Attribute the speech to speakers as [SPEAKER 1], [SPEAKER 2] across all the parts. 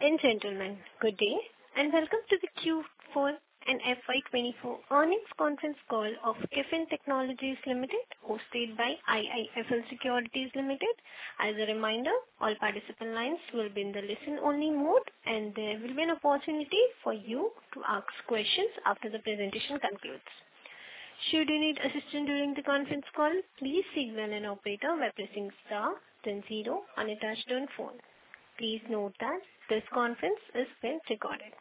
[SPEAKER 1] Ladies and gentlemen, good day, and welcome to the Q4 and FY 2024 earnings conference call of KFin Technologies Limited, hosted by IIFL Securities Limited. As a reminder, all participant lines will be in the listen-only mode, and there will be an opportunity for you to ask questions after the presentation concludes. Should you need assistance during the conference call, please signal an operator by pressing star then zero on your touch-tone phone. Please note that this conference is being recorded.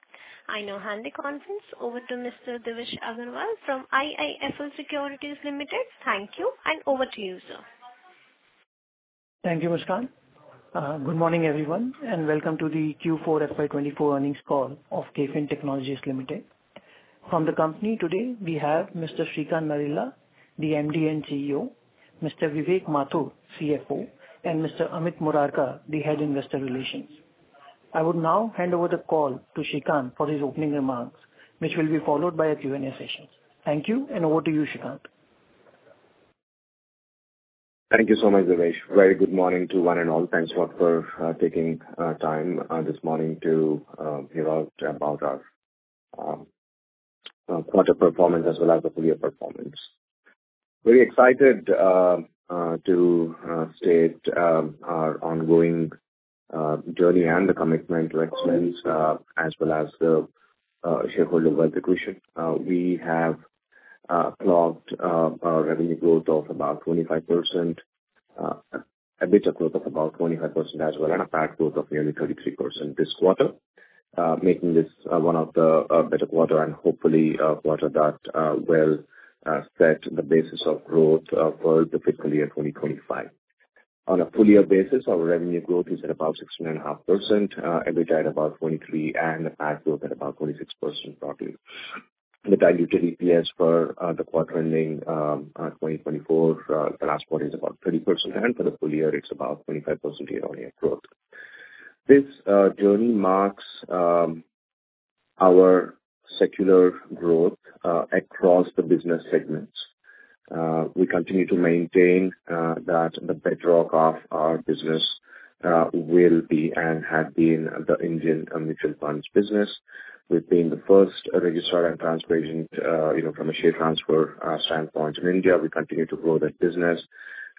[SPEAKER 1] I now hand the conference over to Mr. Devesh Agarwal from IIFL Securities Limited. Thank you, and over to you, sir.
[SPEAKER 2] Thank you, Muskan. Good morning, everyone, and welcome to the Q4 FY 2024 earnings call of KFin Technologies Limited. From the company today, we have Mr. Sreekanth Nadella, the MD and CEO, Mr. Vivek Mathur, CFO, and Mr. Amit Murarka, the Head, Investor Relations. I would now hand over the call to Sreekanth for his opening remarks, which will be followed by a Q&A session. Thank you, and over to you, Sreekanth.
[SPEAKER 3] Thank you so much, Devesh. Very good morning to one and all. Thanks a lot for taking time this morning to hear about our quarter performance as well as the full year performance. Very excited to state our ongoing journey and the commitment to excellence as well as the shareholder wealth creation. We have logged a revenue growth of about 25%, an EBITDA growth of about 25% as well, and a PAT growth of nearly 33% this quarter, making this one of the better quarter and hopefully a quarter that will set the basis of growth for the fiscal year 2025. On a full year basis, our revenue growth is at about 16.5%, EBITDA at about 23%, and the PAT growth at about 26% roughly. The diluted EPS for the quarter ending 2024, the last quarter is about 30%, and for the full year, it's about 25% year-on-year growth. This journey marks our secular growth across the business segments. We continue to maintain that the bedrock of our business will be and had been the Indian mutual funds business. We've been the first registrar and transfer agent, you know, from a share transfer standpoint in India. We continue to grow that business,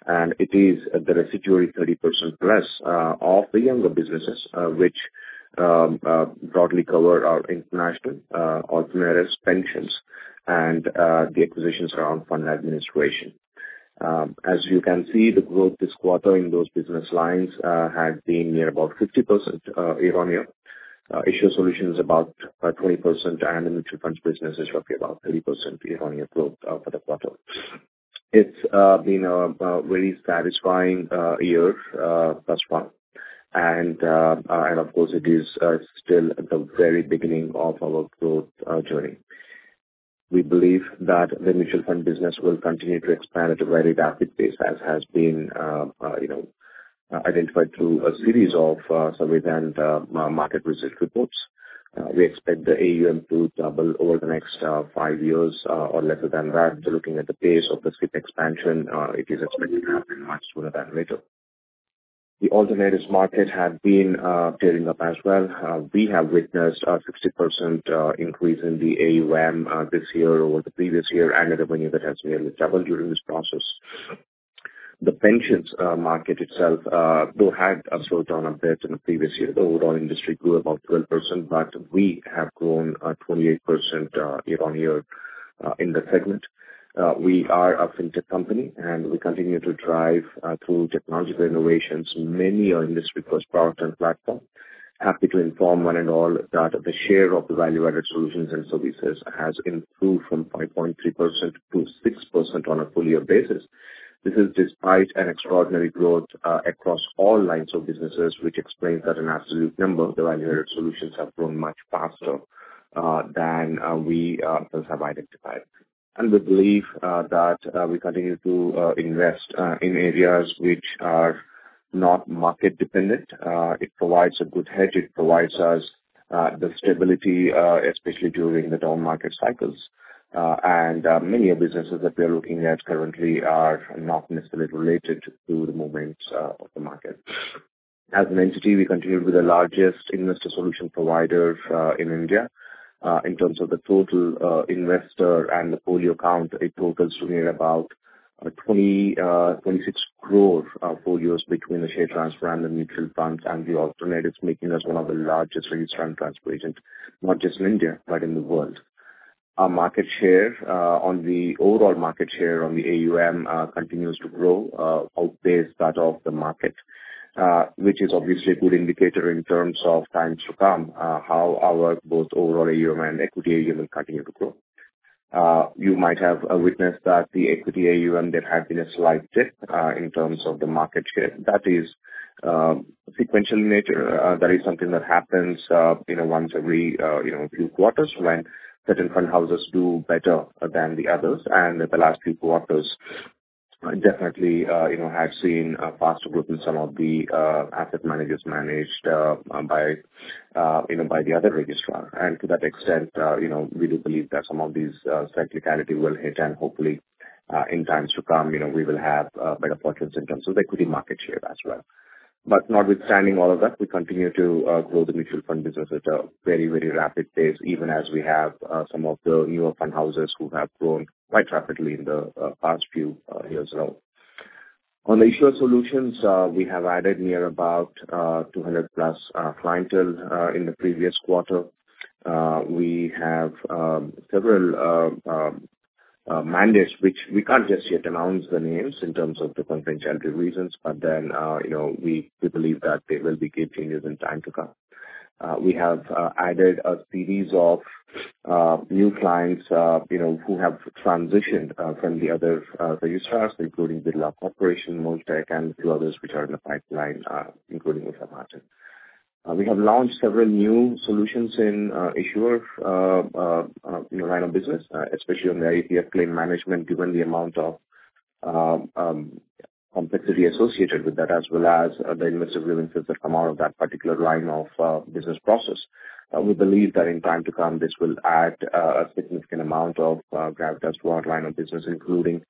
[SPEAKER 3] and it is the residuary 30% plus of the younger businesses, which broadly cover our international alternatives, pensions and the acquisitions around fund administration. As you can see, the growth this quarter in those business lines had been near about 50% year-on-year. Issuer solutions about 20%, and the mutual funds business is roughly about 3% year-on-year growth for the quarter. It's been a very satisfying year thus far, and of course, it is still at the very beginning of our growth journey. We believe that the mutual fund business will continue to expand at a very rapid pace, as has been you know identified through a series of survey and market research reports. We expect the AUM to double over the next five years or lesser than that. Looking at the pace of the SIP expansion, it is expected to happen much sooner than later. The alternatives market had been tearing up as well. We have witnessed a 60% increase in the AUM this year over the previous year, and the revenue that has nearly doubled during this process. The pensions market itself, though, had a slowdown compared to the previous year. The overall industry grew about 12%, but we have grown 28% year-on-year in the segment. We are a fintech company, and we continue to drive through technological innovations, many are industry-first product and platform. Happy to inform one and all that the share of the value-added solutions and services has improved from 5.3%-6% on a full-year basis. This is despite an extraordinary growth across all lines of businesses, which explains that an absolute number of the value-added solutions have grown much faster than we have identified. We believe that we continue to invest in areas which are not market dependent. It provides a good hedge. It provides us the stability especially during the down market cycles. Many of the businesses that we are looking at currently are not necessarily related to the movements of the market. As an entity, we continue to be the largest investor solution provider in India. In terms of the total investor and the folio count, it totals to near about twenty-six crore folios between the share transfer and the mutual funds and the alternatives, making us one of the largest registrar and transfer agents, not just in India, but in the world. Our market share on the overall market share on the AUM continues to grow outpace that of the market, which is obviously a good indicator in terms of times to come how our both overall AUM and equity AUM will continue to grow. You might have witnessed that the equity AUM, there had been a slight dip in terms of the market share. That is sequential in nature. That is something that happens, you know, once every, you know, few quarters, when certain fund houses do better than the others. And the last few quarters, definitely, you know, have seen a faster growth in some of the asset managers managed by you know, by the other registrar. And to that extent, you know, we do believe that some of these cyclicality will hit and hopefully in times to come, you know, we will have better fortunes in terms of equity market share as well. But notwithstanding all of that, we continue to grow the mutual fund business at a very, very rapid pace, even as we have some of the newer fund houses who have grown quite rapidly in the past few years now. On the issuer solutions, we have added near about 200+ clientele in the previous quarter. We have several mandates, which we can't just yet announce the names in terms of the confidentiality reasons, but then, you know, we believe that there will be good changes in time to come. We have added a series of new clients, you know, who have transitioned from the other registrars, including Birla Corporation, Muthoot, and a few others which are in the pipeline, including Muthoot. We have launched several new solutions in issuer, you know, line of business, especially on the IEPF claim management, given the amount of complexity associated with that, as well as the immense revenues that come out of that particular line of business process. We believe that in time to come, this will add a significant amount of gravitas to our line of business, including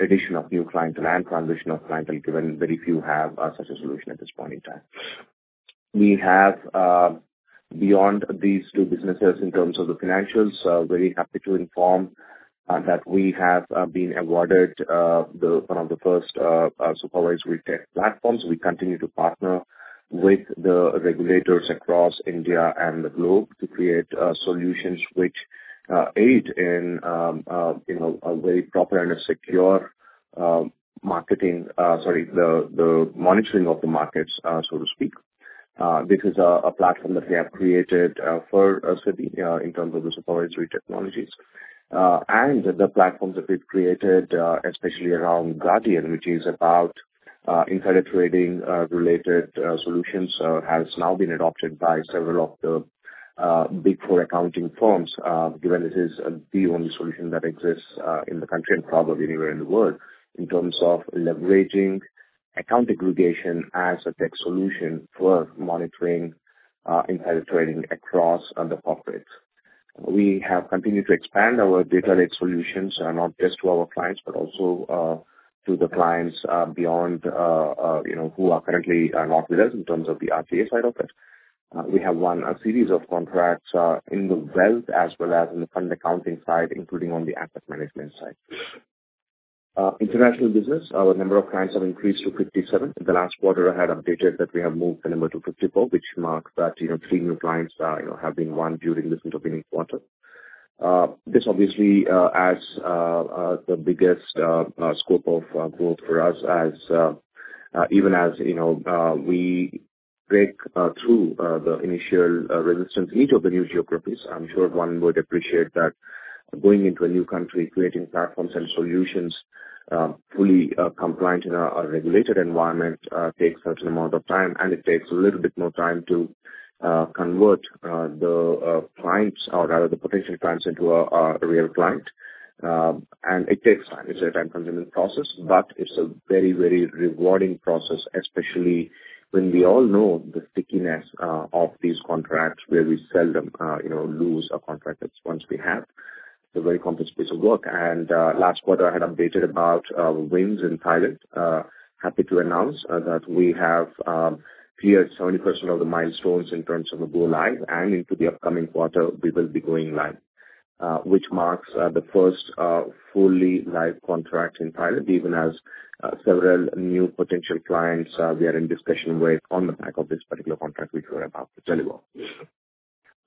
[SPEAKER 3] addition of new clientele and transition of clientele, given very few have such a solution at this point in time. We have, beyond these two businesses, in terms of the financials, very happy to inform that we have been awarded the one of the first supervisory tech platforms. We continue to partner with the regulators across India and the globe to create solutions which aid in, you know, a very proper and a secure marketing... sorry, the monitoring of the markets, so to speak. This is a platform that we have created for SEBI in terms of the supervisory technologies. And the platform that we've created, especially around Guardian, which is about insider trading related solutions, has now been adopted by several of the Big Four accounting firms, given it is the only solution that exists in the country and probably anywhere in the world, in terms of leveraging account aggregation as a tech solution for monitoring insider trading across other corporates. We have continued to expand our data lake solutions, not just to our clients, but also to the clients beyond, you know, who are currently not with us in terms of the RTA side of it. We have won a series of contracts in the wealth as well as in the fund accounting side, including on the asset management side. International business, our number of clients have increased to 57. In the last quarter, I had updated that we have moved the number to 54, which marks that, you know, three new clients, you know, have been won during this intervening quarter. This obviously adds the biggest scope of growth for us as even as, you know, we break through the initial resistance in each of the new geographies. I'm sure one would appreciate that going into a new country, creating platforms and solutions, fully compliant in a regulated environment, takes certain amount of time, and it takes a little bit more time to convert the clients or rather the potential clients into a real client. It takes time. It's a time-consuming process, but it's a very, very rewarding process, especially when we all know the stickiness of these contracts, where we seldom, you know, lose a contract that once we have. It's a very complex piece of work, and last quarter, I had updated about wins in pilot. Happy to announce that we have cleared 70% of the milestones in terms of the go live and into the upcoming quarter, we will be going live, which marks the first fully live contract in pilot, even as several new potential clients we are in discussion with on the back of this particular contract, which we're about to tell you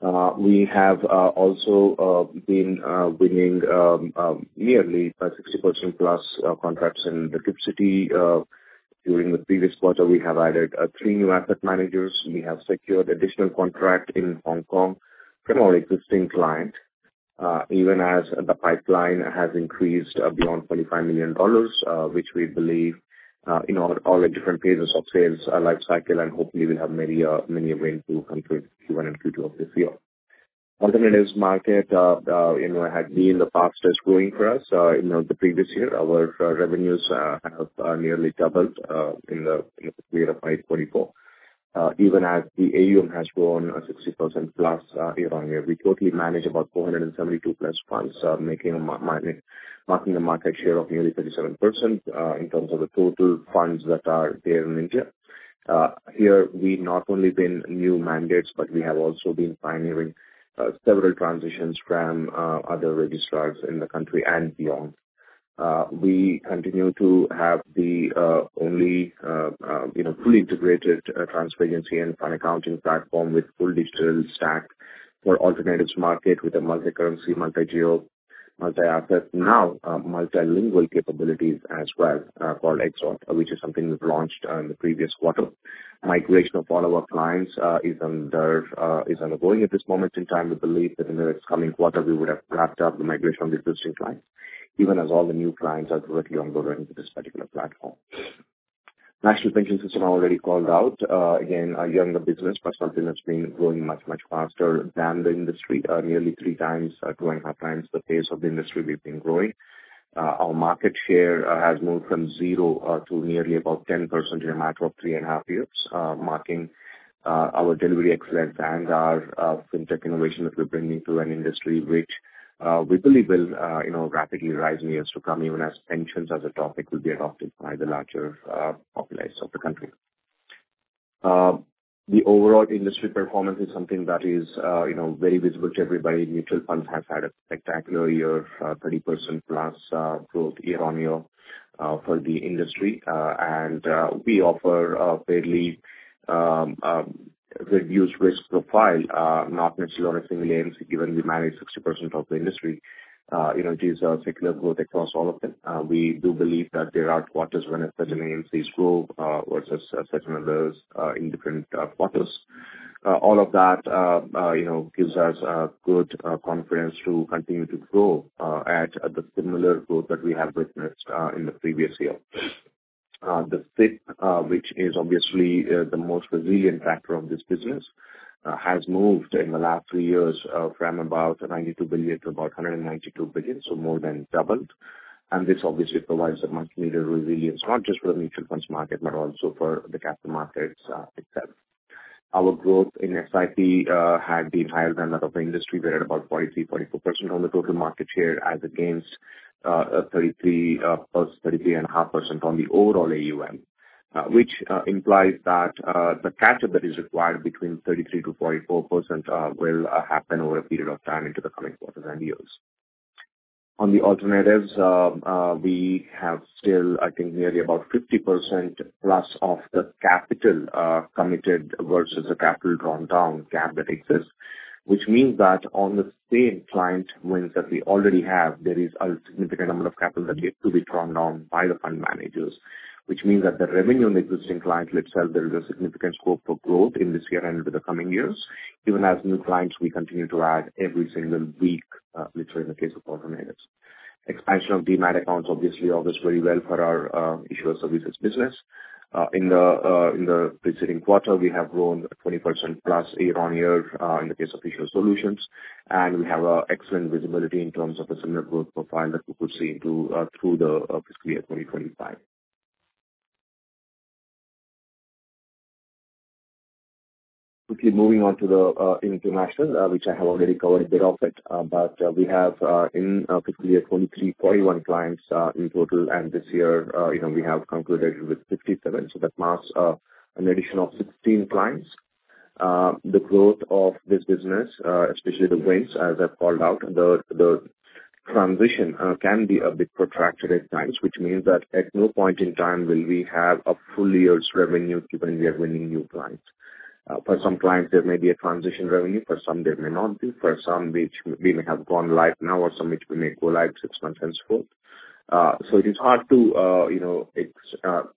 [SPEAKER 3] about. We have also been winning nearly a 60% plus contracts in the GIFT City. During the previous quarter, we have added three new asset managers. We have secured additional contract in Hong Kong from our existing clients, even as the pipeline has increased beyond $25 million, which we believe, in all, all the different phases of sales, lifecycle, and hopefully we'll have many, many wins to come to, even in future of this year. Alternatives market, you know, had been the fastest growing for us. In the previous year, our revenues have nearly doubled, in the period of FY24. Even as the AUM has grown 60%+, year-on-year. We totally manage about 472+ funds, making a marking a market share of nearly 37%, in terms of the total funds that are there in India. Here we've not only won new mandates, but we have also been pioneering several transitions from other registrars in the country and beyond. We continue to have the only, you know, fully integrated transparency and fund accounting platform with full digital stack for alternatives market with a multi-currency, multi-geo, multi-asset, now, multilingual capabilities as well, for XAlt, which is something we've launched in the previous quarter. Migration of all our clients is underway, is ongoing at this moment in time. We believe that in the next coming quarter, we would have wrapped up the migration of existing clients, even as all the new clients are directly onboarding to this particular platform. National Pension System, I already called out. Again, again, the business, pension business been growing much, much faster than the industry. Nearly 3 times, 2.5 times the pace of the industry we've been growing. Our market share has moved from 0 to nearly about 10% in a matter of 3.5 years, marking our delivery excellence and our fintech innovation that we're bringing to an industry which we believe will, you know, rapidly rise in years to come, even as pensions as a topic will be adopted by the larger populace of the country. The overall industry performance is something that is, you know, very visible to everybody. Mutual funds have had a spectacular year, 30% plus growth year-on-year for the industry. We offer a fairly reduced risk profile, not necessarily on a single AMC, given we manage 60% of the industry. You know, it is a secular growth across all of them. We do believe that there are quarters when a certain AMCs grow versus certain others in different quarters. All of that, you know, gives us good confidence to continue to grow at the similar growth that we have witnessed in the previous year. The FIIP, which is obviously the most resilient factor of this business, has moved in the last three years from about 92 billion to about 192 billion, so more than doubled. And this obviously provides a much needed resilience, not just for the mutual funds market, but also for the capital markets itself. Our growth in SIP had been higher than that of the industry. We're at about 43-44% on the total market share, as against 33-plus to 33.5% on the overall AUM. Which implies that the catch-up that is required between 33%-44% will happen over a period of time into the coming quarters and years. On the alternatives, we have still, I think, nearly about 50% plus of the capital committed versus the capital drawn down gap that exists. Which means that on the same client wins that we already have, there is a significant amount of capital that yet to be drawn down by the fund managers. Which means that the revenue on existing client itself, there is a significant scope for growth in this year and over the coming years, even as new clients we continue to add every single week, literally in the case of alternatives. Expansion of Demat accounts obviously augurs very well for our issuer services business. In the preceding quarter, we have grown 20% plus year-on-year in the case of issuer solutions. We have excellent visibility in terms of a similar growth profile that we could see into through the fiscal year 2025. Quickly moving on to the international, which I have already covered a bit of it. But we have in fiscal year 2023, 41 clients in total, and this year, you know, we have concluded with 57. So that marks an additional 16 clients. The growth of this business, especially the wins, as I've called out, the transition, can be a bit protracted at times. Which means that at no point in time will we have a full year's revenue, given we are winning new clients. For some clients, there may be a transition revenue, for some there may not be, for some which we may have gone live now or some which we may go live six months and so forth. So it is hard to, you know,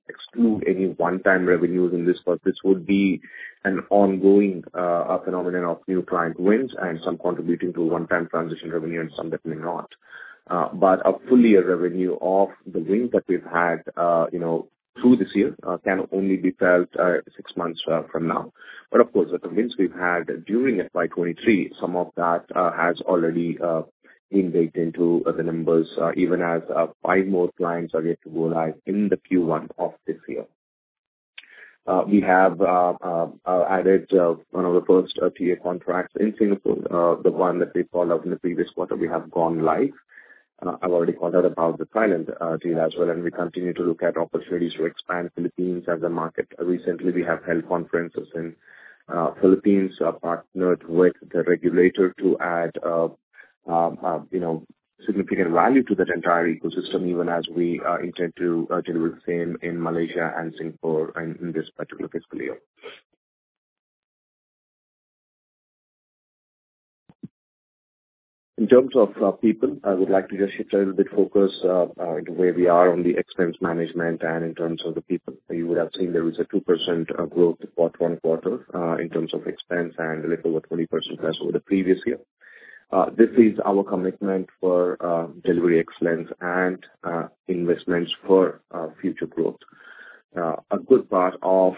[SPEAKER 3] exclude any one-time revenues in this, but this would be an ongoing phenomenon of new client wins and some contributing to a one-time transition revenue and some that may not. But a full year revenue of the wins that we've had, you know, through this year, can only be felt 6 months from now. But of course, the wins we've had during FY 2023, some of that has already been baked into the numbers, even as 5 more clients are yet to go live in the Q1 of this year. We have added 1 of the first TA contracts in Singapore. The one that we called out in the previous quarter, we have gone live. I've already called out about the Thailand deal as well, and we continue to look at opportunities to expand Philippines as a market. Recently, we have held conferences in Philippines, partnered with the regulator to add you know significant value to that entire ecosystem, even as we intend to deliver the same in Malaysia and Singapore in this particular fiscal year. In terms of people, I would like to just shift a little bit focus to where we are on the expense management and in terms of the people. You would have seen there is a 2% growth quarter-on-quarter in terms of expense and a little over 20% plus over the previous year. This is our commitment for delivery excellence and investments for future growth. A good part of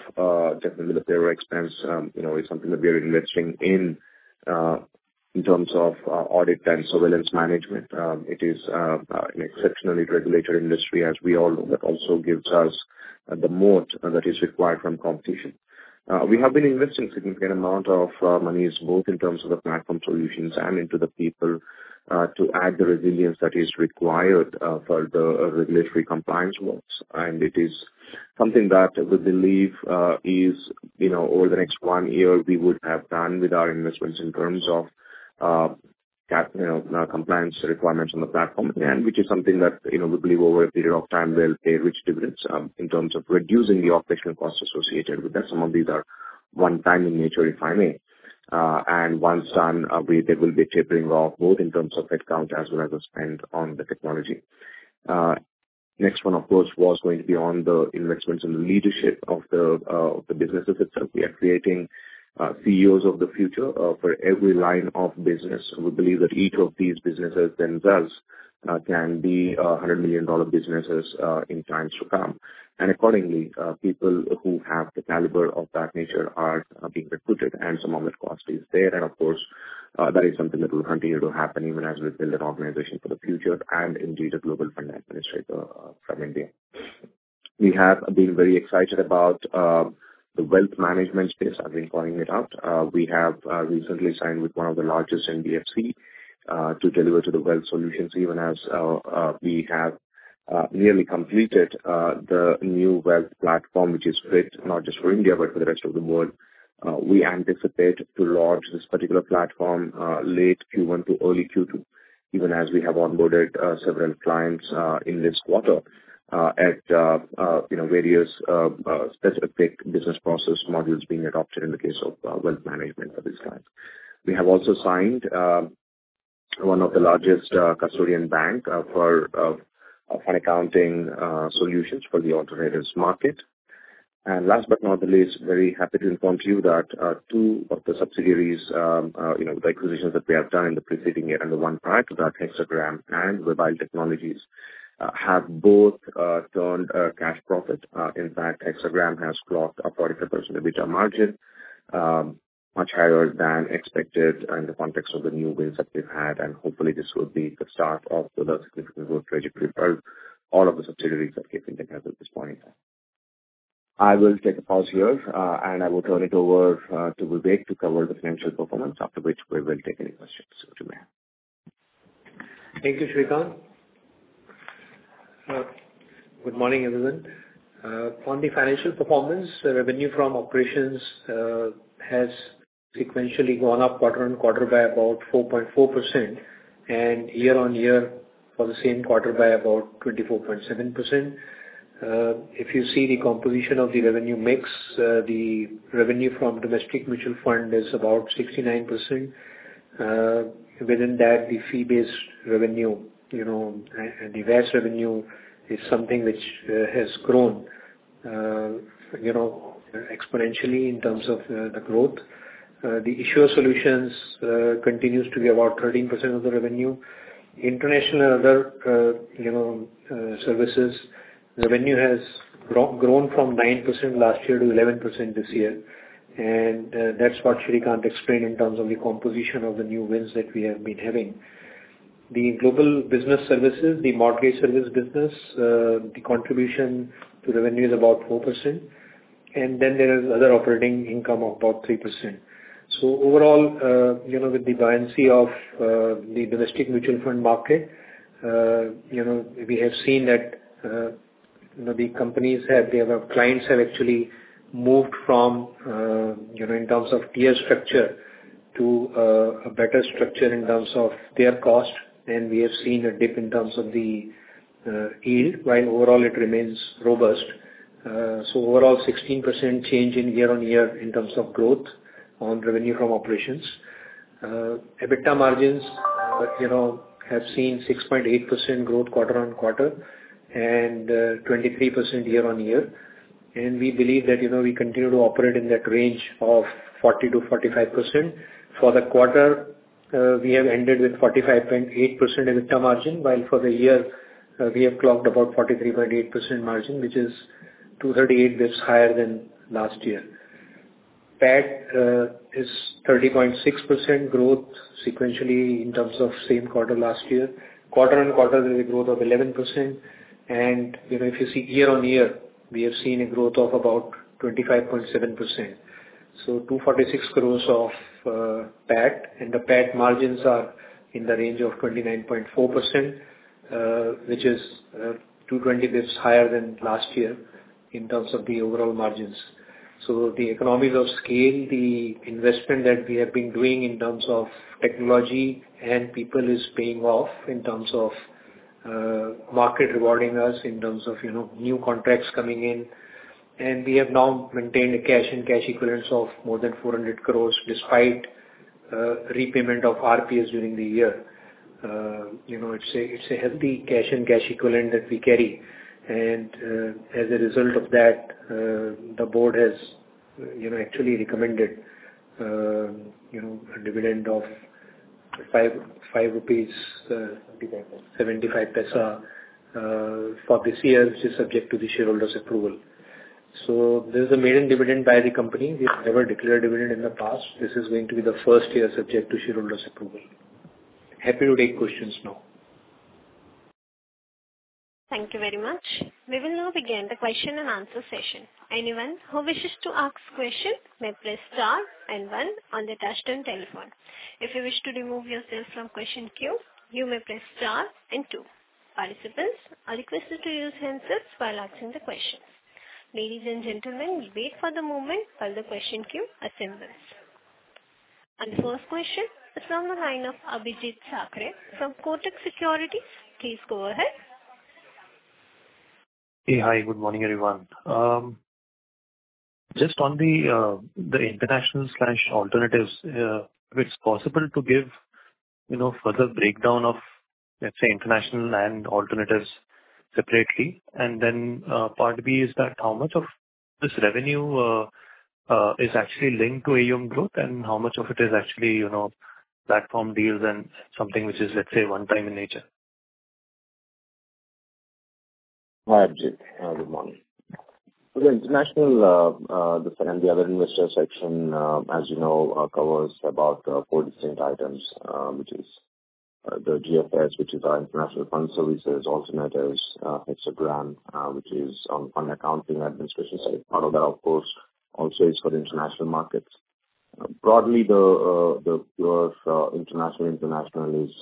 [SPEAKER 3] definitely the payroll expense you know is something that we are investing in in terms of audit and surveillance management. It is an exceptionally regulated industry, as we all know, that also gives us the moat that is required from competition. We have been investing significant amount of monies, both in terms of the platform solutions and into the people to add the resilience that is required for the regulatory compliance works. And it is something that we believe is, you know, over the next one year, we would have done with our investments in terms of CapEx compliance requirements on the platform. And which is something that, you know, we believe over a period of time will pay rich dividends in terms of reducing the operational costs associated with that. Some of these are one time in nature, if I may. And once done, they will be tapering off, both in terms of headcount as well as the spend on the technology. Next one, of course, was going to be on the investments in the leadership of the, of the businesses itself. We are creating, CEOs of the future, for every line of business. We believe that each of these businesses themselves, can be, $100 million businesses, in times to come. And accordingly, people who have the caliber of that nature are, being recruited, and some of the cost is there. And of course, that is something that will continue to happen even as we build an organization for the future and indeed, a global fund administrator, from India. We have been very excited about, the wealth management space. I've been calling it out. We have recently signed with one of the largest NBFC to deliver to the wealth solutions, even as we have nearly completed the new wealth platform, which is fit not just for India, but for the rest of the world. We anticipate to launch this particular platform late Q1 to early Q2, even as we have onboarded several clients in this quarter, at you know, various specific business process modules being adopted in the case of wealth management for these clients. We have also signed one of the largest custodian bank for an accounting solutions for the alternatives market. And last but not the least, very happy to inform you that, two of the subsidiaries, you know, the acquisitions that we have done in the preceding year and the one prior to that, Hexagram and Webile Technologies, have both turned a cash profit. In fact, Hexagram has clocked a 40% EBITDA margin, much higher than expected in the context of the new wins that we've had, and hopefully this will be the start of the significant growth trajectory for all of the subsidiaries of KFin Technologies at this point. I will take a pause here, and I will turn it over to Vivek to cover the financial performance, after which we will take any questions. Over to you.
[SPEAKER 4] Thank you, Sreekanth. Good morning, everyone. On the financial performance, the revenue from operations has sequentially gone up quarter on quarter by about 4.4%, and year on year for the same quarter by about 24.7%. If you see the composition of the revenue mix, the revenue from domestic mutual fund is about 69%. Within that, the fee-based revenue, you know, and the AUM revenue is something which has grown, you know, exponentially in terms of the growth. The issuer solutions continues to be about 13% of the revenue. International and other, you know, services, revenue has grown from 9% last year to 11% this year, and that's what Sreekanth explained in terms of the composition of the new wins that we have been having. The global business services, the market service business, the contribution to revenue is about 4%, and then there is other operating income of about 3%. So overall, you know, with the buoyancy of the domestic mutual fund market, you know, we have seen that, you know, the companies have. Their clients have actually moved from, you know, in terms of tier structure to a better structure in terms of their cost, and we have seen a dip in terms of the yield, while overall it remains robust. So overall, 16% change year-over-year in terms of growth on revenue from operations. EBITDA margins, you know, have seen 6.8% growth quarter-over-quarter and 23% year-over-year. We believe that, you know, we continue to operate in that range of 40%-45%. For the quarter, we have ended with 45.8% EBITDA margin, while for the year, we have clocked about 43.8% margin, which is 238 bps, that's higher than last year. PAT is 30.6% growth sequentially in terms of same quarter last year. Quarter on quarter, there's a growth of 11%, and, you know, if you see year on year, we have seen a growth of about 25.7%. So 246 crore of PAT, and the PAT margins are in the range of 29.4%, which is 220 bps higher than last year in terms of the overall margins. So the economies of scale, the investment that we have been doing in terms of technology and people, is paying off in terms of market rewarding us, in terms of, you know, new contracts coming in. And we have now maintained a cash and cash equivalents of more than 400 crore, despite repayment of RPS during the year. You know, it's a healthy cash and cash equivalents that we carry, and as a result of that, the board has, you know, actually recommended a dividend of 5.75 rupees for this year, which is subject to the shareholders' approval. So this is a maiden dividend by the company. We've never declared a dividend in the past. This is going to be the first year subject to shareholders' approval. Happy to take questions now.
[SPEAKER 1] Thank you very much. We will now begin the question-and-answer session. Anyone who wishes to ask question may press star and one on the touchtone telephone. If you wish to remove yourself from question queue, you may press star and two. Participants are requested to use handsets while asking the question. Ladies and gentlemen, we wait for the moment while the question queue assembles. The first question is from the line of Abhijeet Sakhare from Kotak Securities. Please go ahead.
[SPEAKER 5] Hey. Hi, good morning, everyone. Just on the international slash alternatives, if it's possible to give, you know, further breakdown of, let's say, international and alternatives separately. And then, part B is that how much of this revenue is actually linked to AUM growth, and how much of it is actually, you know, platform deals and something which is, let's say, one time in nature?
[SPEAKER 3] Hi, Abhijeet. Good morning. So the international, the, and the other investor section, as you know, covers about 4 distinct items, which is the GFS, which is our international fund services, alternatives, Hexagram, which is on fund accounting administration. So part of that, of course, also is for the international markets… Broadly, the pure international is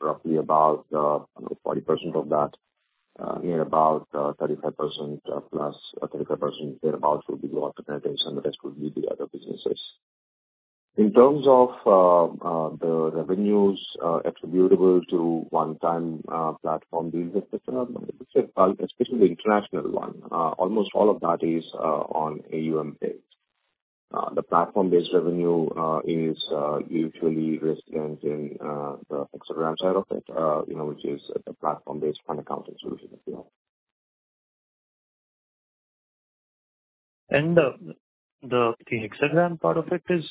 [SPEAKER 3] roughly about 40% of that, near about 35% plus 35% thereabout will be alternatives, and the rest will be the other businesses. In terms of the revenues attributable to one-time platform deals, et cetera, especially the international one, almost all of that is on AUM base. The platform-based revenue is usually resilient in the Hexagram side of it, you know, which is a platform-based fund accounting solution that we have.
[SPEAKER 5] The Hexagram part of it is,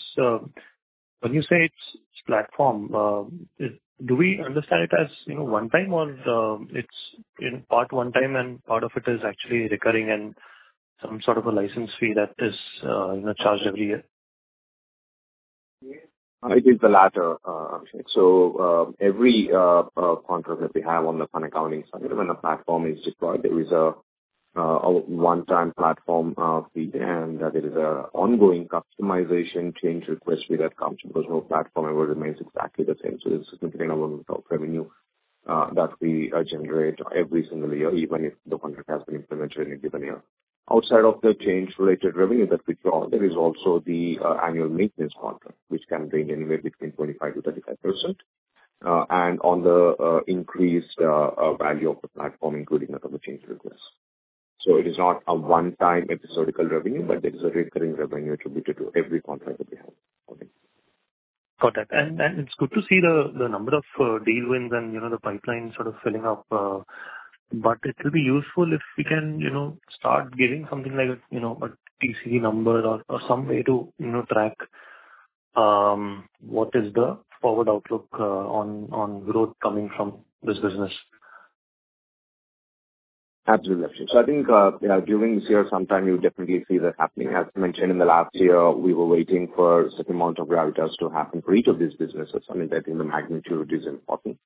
[SPEAKER 5] when you say its platform, is—do we understand it as, you know, one time, or, it's, you know, part one time and part of it is actually recurring and some sort of a license fee that is, you know, charged every year?
[SPEAKER 3] It is the latter, so every contract that we have on the fund accounting side, when a platform is deployed, there is a one-time platform fee, and there is an ongoing customization change request fee that comes, because no platform ever remains exactly the same. So this is sustainable top revenue that we generate every single year, even if the contract has been implemented in a given year. Outside of the change-related revenue that we draw, there is also the annual maintenance contract, which can range anywhere between 25%-35%. And on the increased value of the platform, including the change request. So it is not a one-time episodic revenue, but it is a recurring revenue attributed to every contract that we have. Okay.
[SPEAKER 5] Got it. And it's good to see the number of deal wins and, you know, the pipeline sort of filling up, but it will be useful if we can, you know, start giving something like, you know, a TCV number or some way to, you know, track what is the forward outlook on growth coming from this business.
[SPEAKER 3] Absolutely. So I think, you know, during this year, sometime you'll definitely see that happening. As mentioned, in the last year, we were waiting for certain amount of gravitas to happen for each of these businesses. I mean, I think the magnitude is important.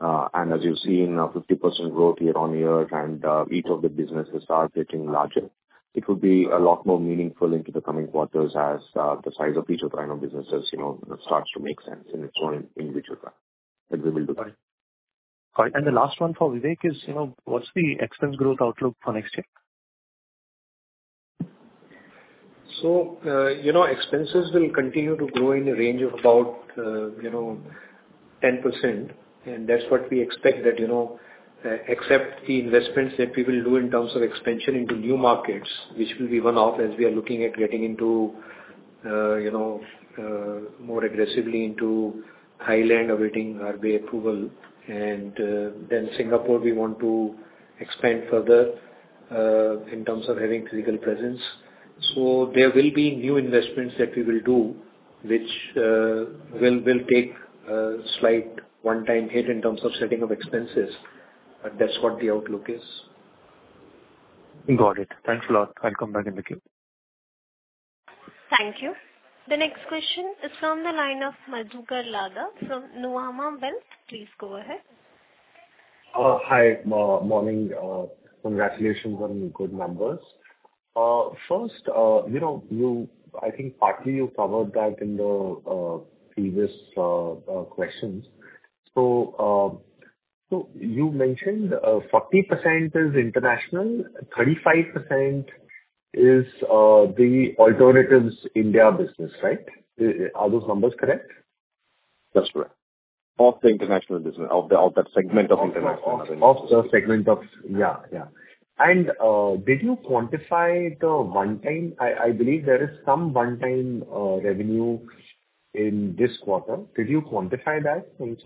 [SPEAKER 3] And as you've seen, a 50% growth year-on-year and, each of the businesses are getting larger, it would be a lot more meaningful into the coming quarters as, the size of each of the businesses, you know, starts to make sense in its own individual way. And we will do that.
[SPEAKER 5] All right. The last one for Vivek is, you know, what's the expense growth outlook for next year?
[SPEAKER 4] So, you know, expenses will continue to grow in a range of about 10%, and that's what we expect that, you know, except the investments that we will do in terms of expansion into new markets, which will be one-off, as we are looking at getting into, you know, more aggressively into Thailand, awaiting RBI approval. And, then Singapore, we want to expand further, in terms of having physical presence. So there will be new investments that we will do, which will take a slight one-time hit in terms of setting of expenses, but that's what the outlook is.
[SPEAKER 5] Got it. Thanks a lot. I'll come back in the queue.
[SPEAKER 1] Thank you. The next question is from the line of Madhukar Ladha from Nuvama Wealth. Please go ahead.
[SPEAKER 6] Hi, morning. Congratulations on the good numbers. First, you know, you—I think partly you covered that in the previous questions. So, so you mentioned, 40% is international, 35% is, the alternatives India business, right? Are those numbers correct?
[SPEAKER 3] That's correct. Of the international business, that segment of international.
[SPEAKER 6] Of the segment of... Yeah, yeah. And, did you quantify the one-time? I, I believe there is some one-time revenue in this quarter. Did you quantify that any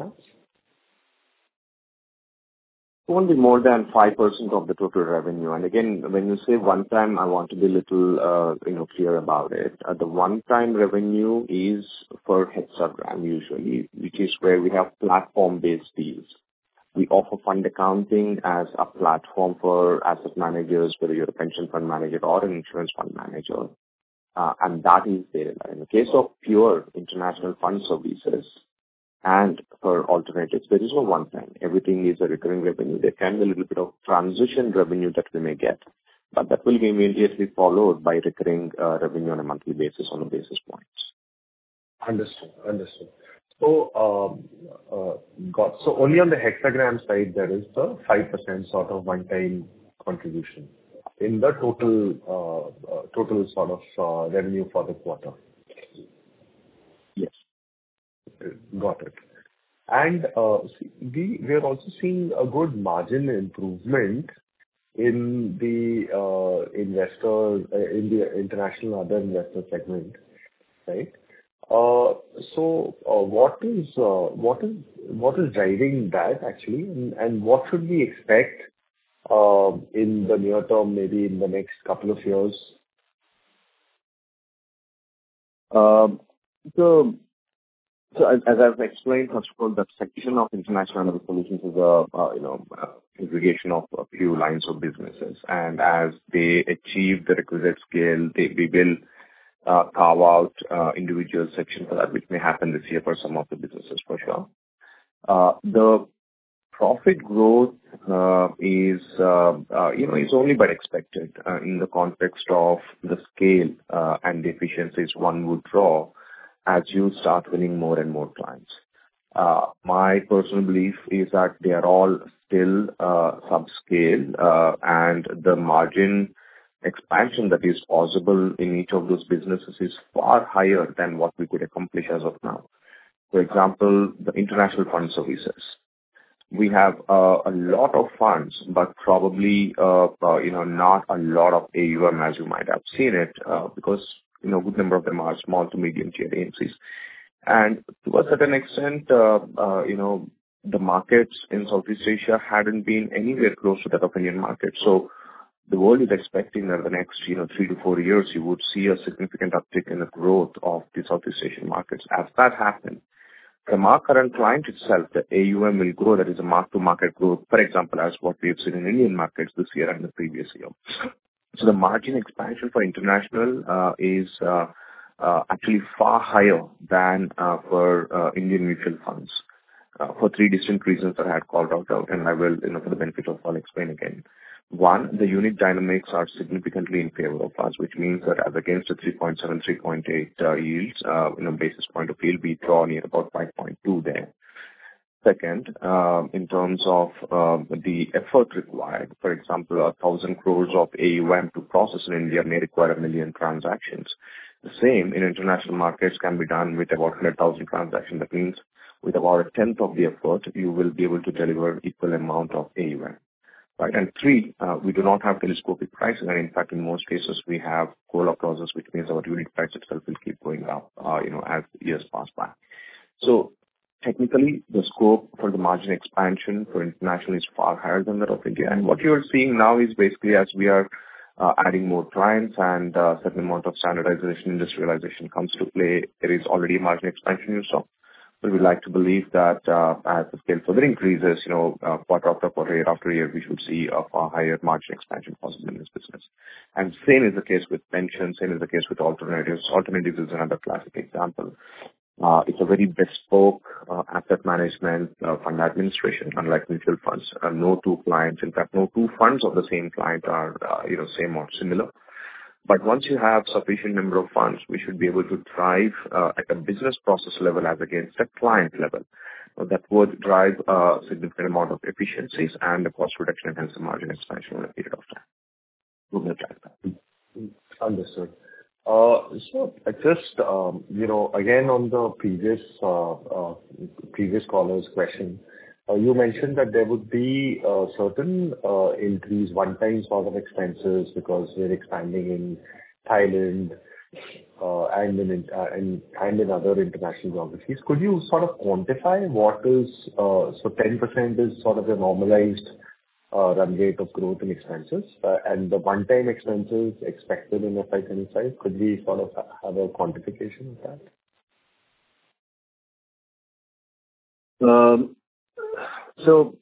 [SPEAKER 6] chance?
[SPEAKER 3] Won't be more than 5% of the total revenue. Again, when you say one time, I want to be a little, you know, KFin about it. The one-time revenue is for Hexagram usually, which is where we have platform-based fees. We offer fund accounting as a platform for asset managers, whether you're a pension fund manager or an insurance fund manager, and that is there. In the case of pure international fund services and for alternatives, there is no one time. Everything is a recurring revenue. There can be a little bit of transition revenue that we may get, but that will be immediately followed by recurring revenue on a monthly basis on the basis points.
[SPEAKER 6] Understood. Understood. So only on the Hexagram side, there is the 5% sort of one-time contribution in the total sort of revenue for the quarter?
[SPEAKER 3] Yes.
[SPEAKER 6] Got it. And we're also seeing a good margin improvement in the investor in the international other investor segment. Right? So, what is driving that actually, and what should we expect in the near term, maybe in the next couple of years?
[SPEAKER 3] So as I've explained, first of all, the section of international solutions is a, you know, aggregation of a few lines of businesses. And as they achieve the requisite scale, they we will carve out individual sections of that, which may happen this year for some of the businesses, for sure. The profit growth is, you know, is only but expected in the context of the scale and the efficiencies one would draw as you start winning more and more clients. My personal belief is that they are all still subscale and the margin expansion that is possible in each of those businesses is far higher than what we could accomplish as of now. For example, the international fund services. We have a lot of funds, but probably, you know, not a lot of AUM, as you might have seen it, because, you know, a good number of them are small to medium-tier agencies. And to a certain extent, you know, the markets in Southeast Asia hadn't been anywhere close to that of Indian market. So the world is expecting that the next, you know, three to four years, you would see a significant uptick in the growth of the Southeast Asian markets. As that happened, from our current client itself, the AUM will grow. That is a mark-to-market growth, for example, as what we have seen in Indian markets this year and the previous year. So the margin expansion for international is actually far higher than for Indian mutual funds for three distinct reasons that I had called out, and I will, you know, for the benefit of all, explain again. One, the unique dynamics are significantly in favor of us, which means that as against the 3.7, 3.8 yields in basis points per AUM, we earn nearly 5.2 there. Second, in terms of the effort required, for example, 1,000 crore of AUM to process in India may require 1 million transactions. The same in international markets can be done with about 100,000 transactions. That means with about a tenth of the effort, you will be able to deliver equal amount of AUM, right? And three, we do not have telescopic pricing, and in fact, in most cases we have roll-up process, which means our unique price itself will keep going up, you know, as years pass by. So technically, the scope for the margin expansion for international is far higher than that of India. And what you are seeing now is basically as we are adding more clients and certain amount of standardization, industrialization comes to play, there is already a margin expansion in so. We would like to believe that, as the scale further increases, you know, quarter after quarter, year after year, we should see a far higher margin expansion possible in this business. And same is the case with pensions, same is the case with alternatives. Alternatives is another classic example. It's a very bespoke, asset management, fund administration, unlike mutual funds. No two clients, in fact, no two funds of the same client are, you know, same or similar. But once you have sufficient number of funds, we should be able to drive, at a business process level as against a client level. That would drive a significant amount of efficiencies and the cost reduction and hence the margin expansion over a period of time. We will track that.
[SPEAKER 6] Understood. So just, you know, again, on the previous caller's question, you mentioned that there would be certain increase, one-time sort of expenses because we're expanding in Thailand, and in and in other international geographies. Could you sort of quantify what is? So 10% is sort of the normalized run rate of growth in expenses, and the one-time expenses expected in the 5-10 size, could we sort of have a quantification of that?
[SPEAKER 3] So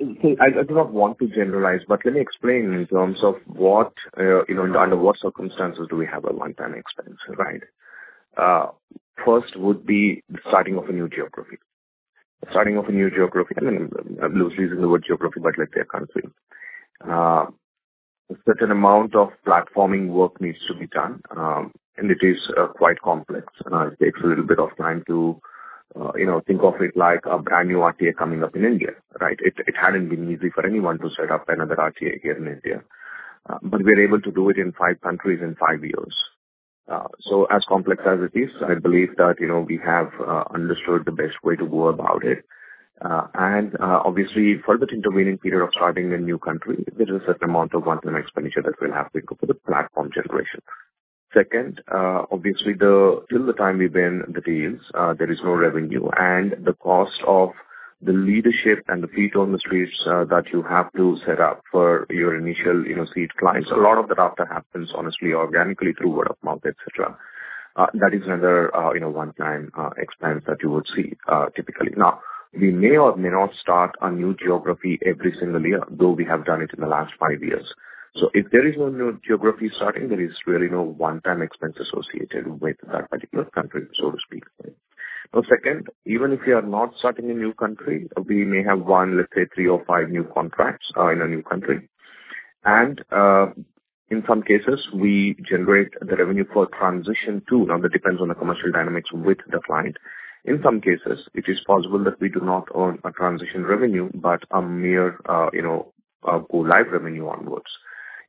[SPEAKER 3] I, I do not want to generalize, but let me explain in terms of what, you know, under what circumstances do we have a one-time expense, right? First would be the starting of a new geography. The starting of a new geography, and I'm loosely using the word geography, but let's say a country. A certain amount of platforming work needs to be done, and it is quite complex, and it takes a little bit of time to, you know, think of it like a brand new RTA coming up in India, right? It, it hadn't been easy for anyone to set up another RTA here in India, but we're able to do it in five countries in five years. So as complex as it is, I believe that, you know, we have understood the best way to go about it. And, obviously, for that intervening period of starting a new country, there is a certain amount of one-time expenditure that will have to go for the platform generation. Second, obviously, till the time we win the deals, there is no revenue, and the cost of the leadership and the feet on the streets, that you have to set up for your initial, you know, seed clients. A lot of that after happens, honestly, organically through word of mouth, et cetera. That is another, you know, one-time expense that you would see, typically. Now, we may or may not start a new geography every single year, though we have done it in the last five years. So if there is no new geography starting, there is really no one-time expense associated with that particular country, so to speak. Now, second, even if we are not starting a new country, we may have one, let's say, three or five new contracts, in a new country. In some cases, we generate the revenue for transition, too. Now, that depends on the commercial dynamics with the client. In some cases, it is possible that we do not earn a transition revenue, but a mere, you know, go-live revenue onwards.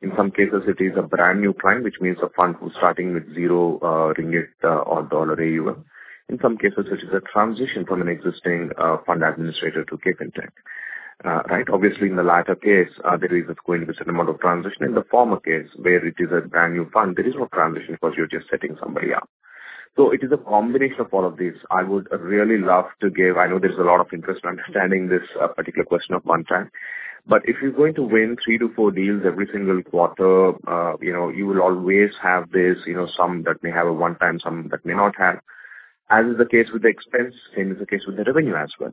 [SPEAKER 3] In some cases, it is a brand-new client, which means a fund who's starting with zero ringgit or dollar AUM. In some cases, it is a transition from an existing fund administrator to Capintend, right? Obviously, in the latter case, there is going to be a certain amount of transition. In the former case, where it is a brand-new fund, there is no transition because you're just setting somebody up. So it is a combination of all of these. I would really love to give. I know there's a lot of interest in understanding this particular question of one time, but if you're going to win 3-4 deals every single quarter, you know, you will always have this, you know, some that may have a one time, some that may not have. As is the case with the expense, same is the case with the revenue as well.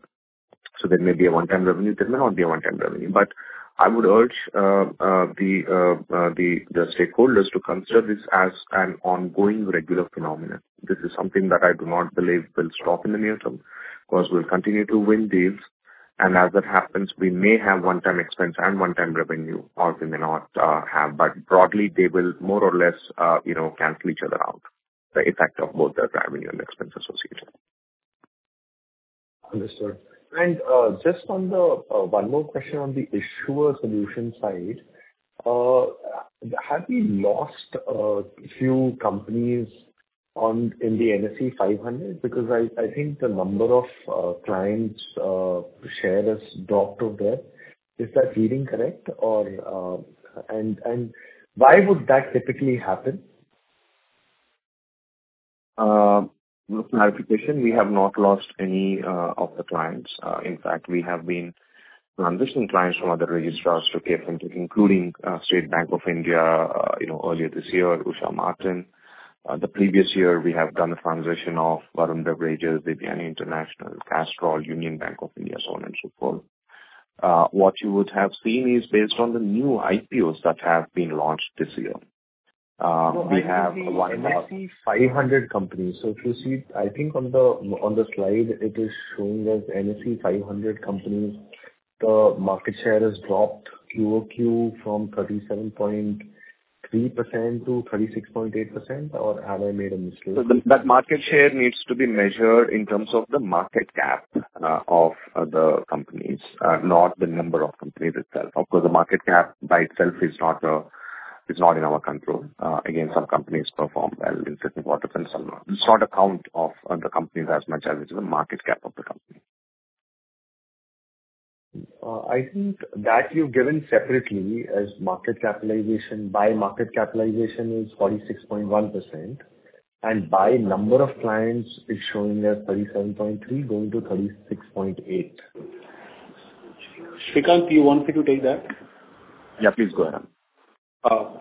[SPEAKER 3] So there may be a one-time revenue, there may not be a one-time revenue. But I would urge the stakeholders to consider this as an ongoing regular phenomenon. This is something that I do not believe will stop in the near term, because we'll continue to win deals. And as that happens, we may have one-time expense and one-time revenue, or we may not have. But broadly, they will more or less, you know, cancel each other out, the effect of both the revenue and expense associated.
[SPEAKER 6] Understood. And just on the one more question on the issuer solution side. Have we lost a few companies on in the NSE 500? Because I think the number of clients share has dropped over there. Is that reading correct? Or... And why would that typically happen?
[SPEAKER 3] Clarification, we have not lost any of the clients. In fact, we have been transitioning clients from other registrars to Clear, including State Bank of India, you know, earlier this year, Usha Martin. The previous year, we have done the transition of Varun Beverages, Devyani International, Castrol, Union Bank of India, so on and so forth. What you would have seen is based on the new IPOs that have been launched this year. We have one-
[SPEAKER 6] 500 companies. So if you see, I think on the, on the slide, it is showing that NSE 500 companies, the market share has dropped QOQ from 37.3% to 36.8%, or have I made a mistake?
[SPEAKER 3] That market share needs to be measured in terms of the market cap of the companies, not the number of companies itself. Of course, the market cap by itself is not in our control. Again, some companies perform well in certain quarters and some not. It's not account of the companies as much as it is the market cap of the company.
[SPEAKER 6] I think that you've given separately as market capitalization. By market capitalization is 46.1%, and by number of clients, it's showing that 37.3 going to 36.8.
[SPEAKER 7] Sreekanth, do you want me to take that?
[SPEAKER 3] Yeah, please go ahead.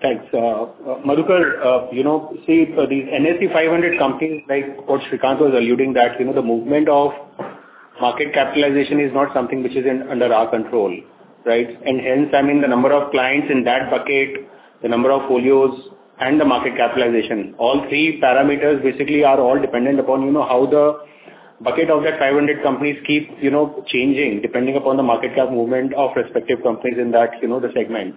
[SPEAKER 7] Thanks. Madhukar, you know, see, for the NSE 500 companies, like what Sreekanth was alluding that, you know, the movement of market capitalization is not something which is under our control, right? And hence, I mean, the number of clients in that bucket, the number of folios and the market capitalization, all three parameters basically are all dependent upon, you know, how the bucket of that 500 companies keeps, you know, changing, depending upon the market cap movement of respective companies in that, you know, the segment.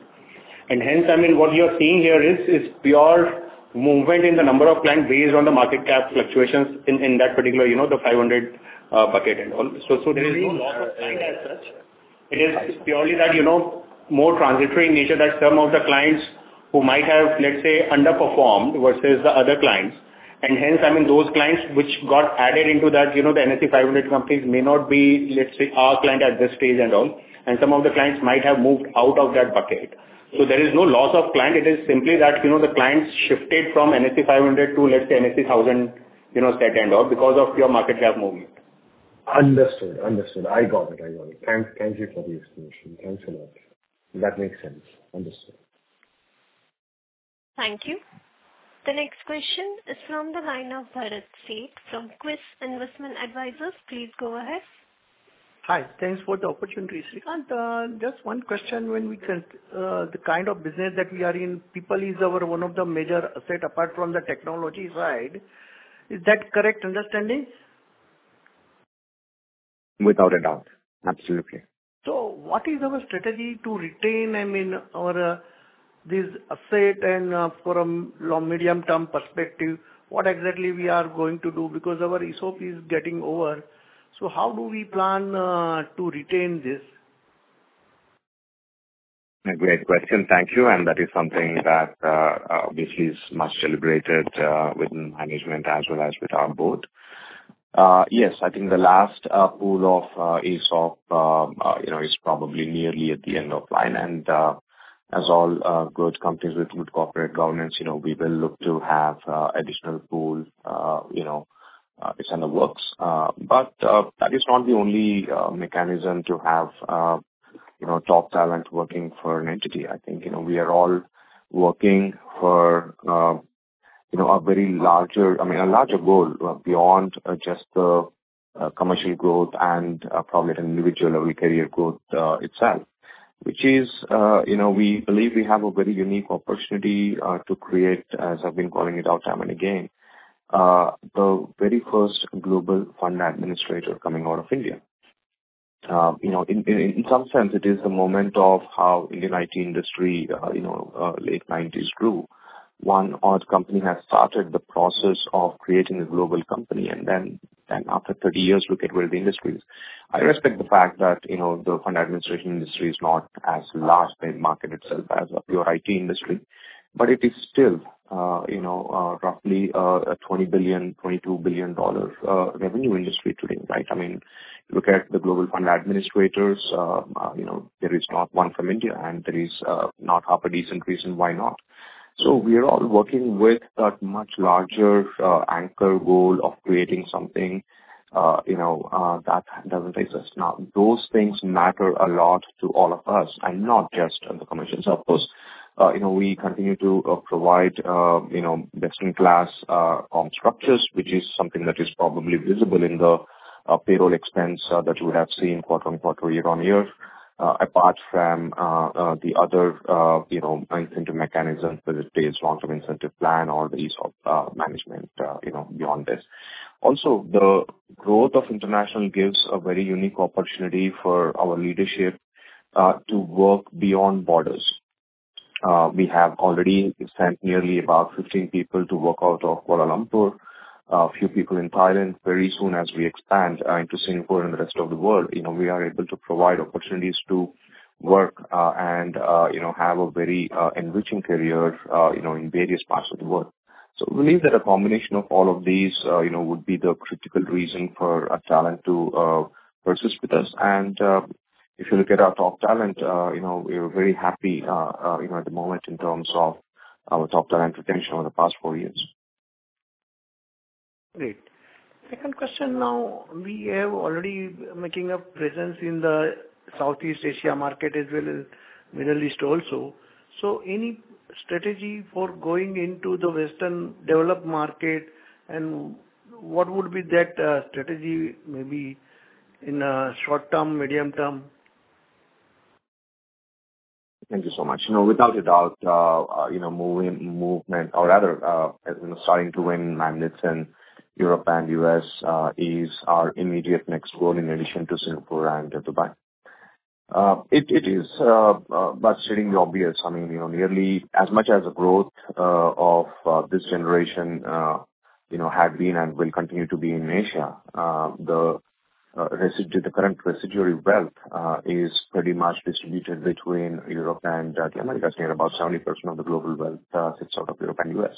[SPEAKER 7] And hence, I mean, what you are seeing here is pure movement in the number of clients based on the market cap fluctuations in that particular, you know, the 500 bucket and all. So, there is no loss of client as such. It is purely that, you know, more transitory in nature, that some of the clients who might have, let's say, underperformed versus the other clients. And hence, I mean, those clients which got added into that, you know, the NSE 500 companies may not be, let's say, our client at this stage and all, and some of the clients might have moved out of that bucket. So there is no loss of client. It is simply that, you know, the clients shifted from NSE 500 to, let's say, NSE 1,000, you know, set and all, because of pure market cap movement.
[SPEAKER 6] Understood. Understood. I got it. I got it. Thank you for the explanation. Thanks a lot. That makes sense. Understood.
[SPEAKER 1] Thank you. The next question is from the line of Bharat Sheth from Quest Investment Advisor. Please go ahead.
[SPEAKER 8] Hi. Thanks for the opportunity, Sreekanth. Just one question. When we can, the kind of business that we are in, people is our one of the major asset apart from the technology side. Is that correct understanding?
[SPEAKER 3] Without a doubt, absolutely.
[SPEAKER 8] So what is our strategy to retain, I mean, our this asset and from long, medium-term perspective, what exactly we are going to do? Because our ESOP is getting over, so how do we plan to retain this?
[SPEAKER 3] A great question. Thank you. And that is something that, which is much celebrated, within management as well as with our board. Yes, I think the last pool of ESOP, you know, is probably nearly at the end of line. And, as all growth companies with good corporate governance, you know, we will look to have additional pool, you know, it's in the works. But, that is not the only mechanism to have, you know, top talent working for an entity. I think, you know, we are all working for, you know, a very larger, I mean, a larger goal beyond just the commercial growth and, probably at an individual level, career growth, itself. Which is, you know, we believe we have a very unique opportunity, to create, as I've been calling it out time and again, the very first global fund administrator coming out of India. You know, in some sense, it is the moment of how Indian IT industry, you know, late 1990s grew. One odd company has started the process of creating a global company, and then, and after 30 years, look at where the industry is. I respect the fact that, you know, the fund administration industry is not as large a market itself as a pure IT industry, but it is still, you know, roughly, a $20 billion-$22 billion dollar revenue industry today, right? I mean, look at the global fund administrators, you know, there is not one from India, and there is not a decent reason why not. So we are all working with that much larger anchor goal of creating something, you know, that doesn't exist now. Those things matter a lot to all of us, and not just on the commissions, of course. You know, we continue to provide, you know, best-in-class structures, which is something that is probably visible in the payroll expense that you would have seen quarter-on-quarter, year-on-year. Apart from the other, you know, incentive mechanisms, whether it's based on long-term incentive plan or the use of management, you know, beyond this. Also, the growth of international gives a very unique opportunity for our leadership, to work beyond borders. We have already sent nearly about 15 people to work out of Kuala Lumpur, a few people in Thailand. Very soon as we expand, into Singapore and the rest of the world, you know, we are able to provide opportunities to work, and, you know, have a very, enriching career, you know, in various parts of the world. So we believe that a combination of all of these, you know, would be the critical reason for a talent to, persist with us. And, if you look at our top talent, you know, we are very happy, at the moment in terms of our top talent retention over the past four years.
[SPEAKER 8] Great. Second question now. We have already making a presence in the Southeast Asia market as well as Middle East also. So any strategy for going into the Western developed market, and what would be that strategy, maybe in the short term, medium term?
[SPEAKER 3] Thank you so much. You know, without a doubt, you know, moving, movement or rather, you know, starting to win mandates in Europe and U.S., is our immediate next goal in addition to Singapore and Dubai. It is, but stating the obvious, I mean, you know, nearly as much as the growth of this generation, you know, had been and will continue to be in Asia, the current residuary wealth is pretty much distributed between Europe and the Americas. Near about 70% of the global wealth sits out of Europe and U.S.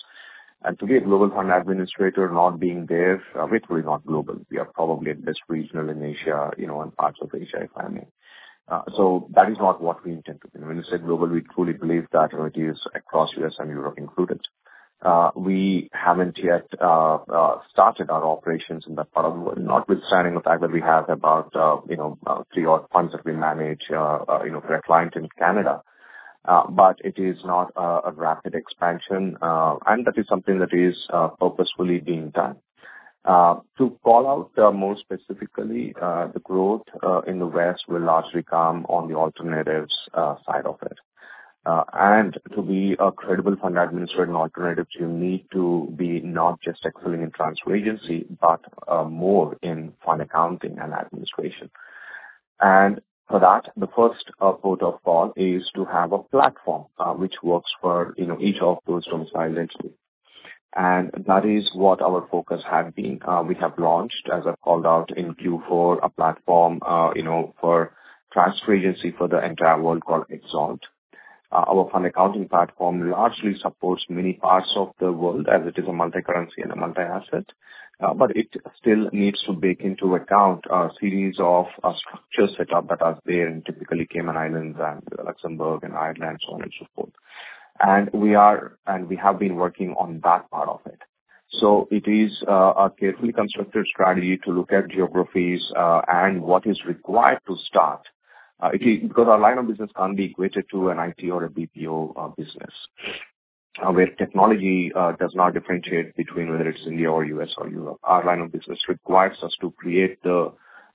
[SPEAKER 3] And to be a global fund administrator, not being there, we're truly not global. We are probably at best regional in Asia, you know, and parts of Asia, if I may. So that is not what we intend to do. When we say global, we truly believe that it is across U.S. and Europe included. We haven't yet started our operations in that part of the world, notwithstanding the fact that we have about, you know, three odd funds that we manage, you know, for a client in Canada. But it is not a rapid expansion, and that is something that is purposefully being done. To call out more specifically, the growth in the West will largely come on the alternatives side of it. And to be a credible fund administrator in alternatives, you need to be not just excellent in transfer agency, but more in fund accounting and administration. For that, the first port of call is to have a platform, which works for, you know, each of those domiciles. And that is what our focus has been. We have launched, as I called out in Q4, a platform, you know, for transfer agency for the entire world called Exalt. Our fund accounting platform largely supports many parts of the world, as it is a multicurrency and a multi-asset, but it still needs to take into account a series of structures set up that are there in typically Cayman Islands and Luxembourg and Ireland, so on and so forth. And we are, and we have been working on that part of the part of it. So it is a carefully constructed strategy to look at geographies, and what is required to start. Because our line of business can't be equated to an IT or a BPO business. Where technology does not differentiate between whether it's India or U.S. or Europe, our line of business requires us to create the,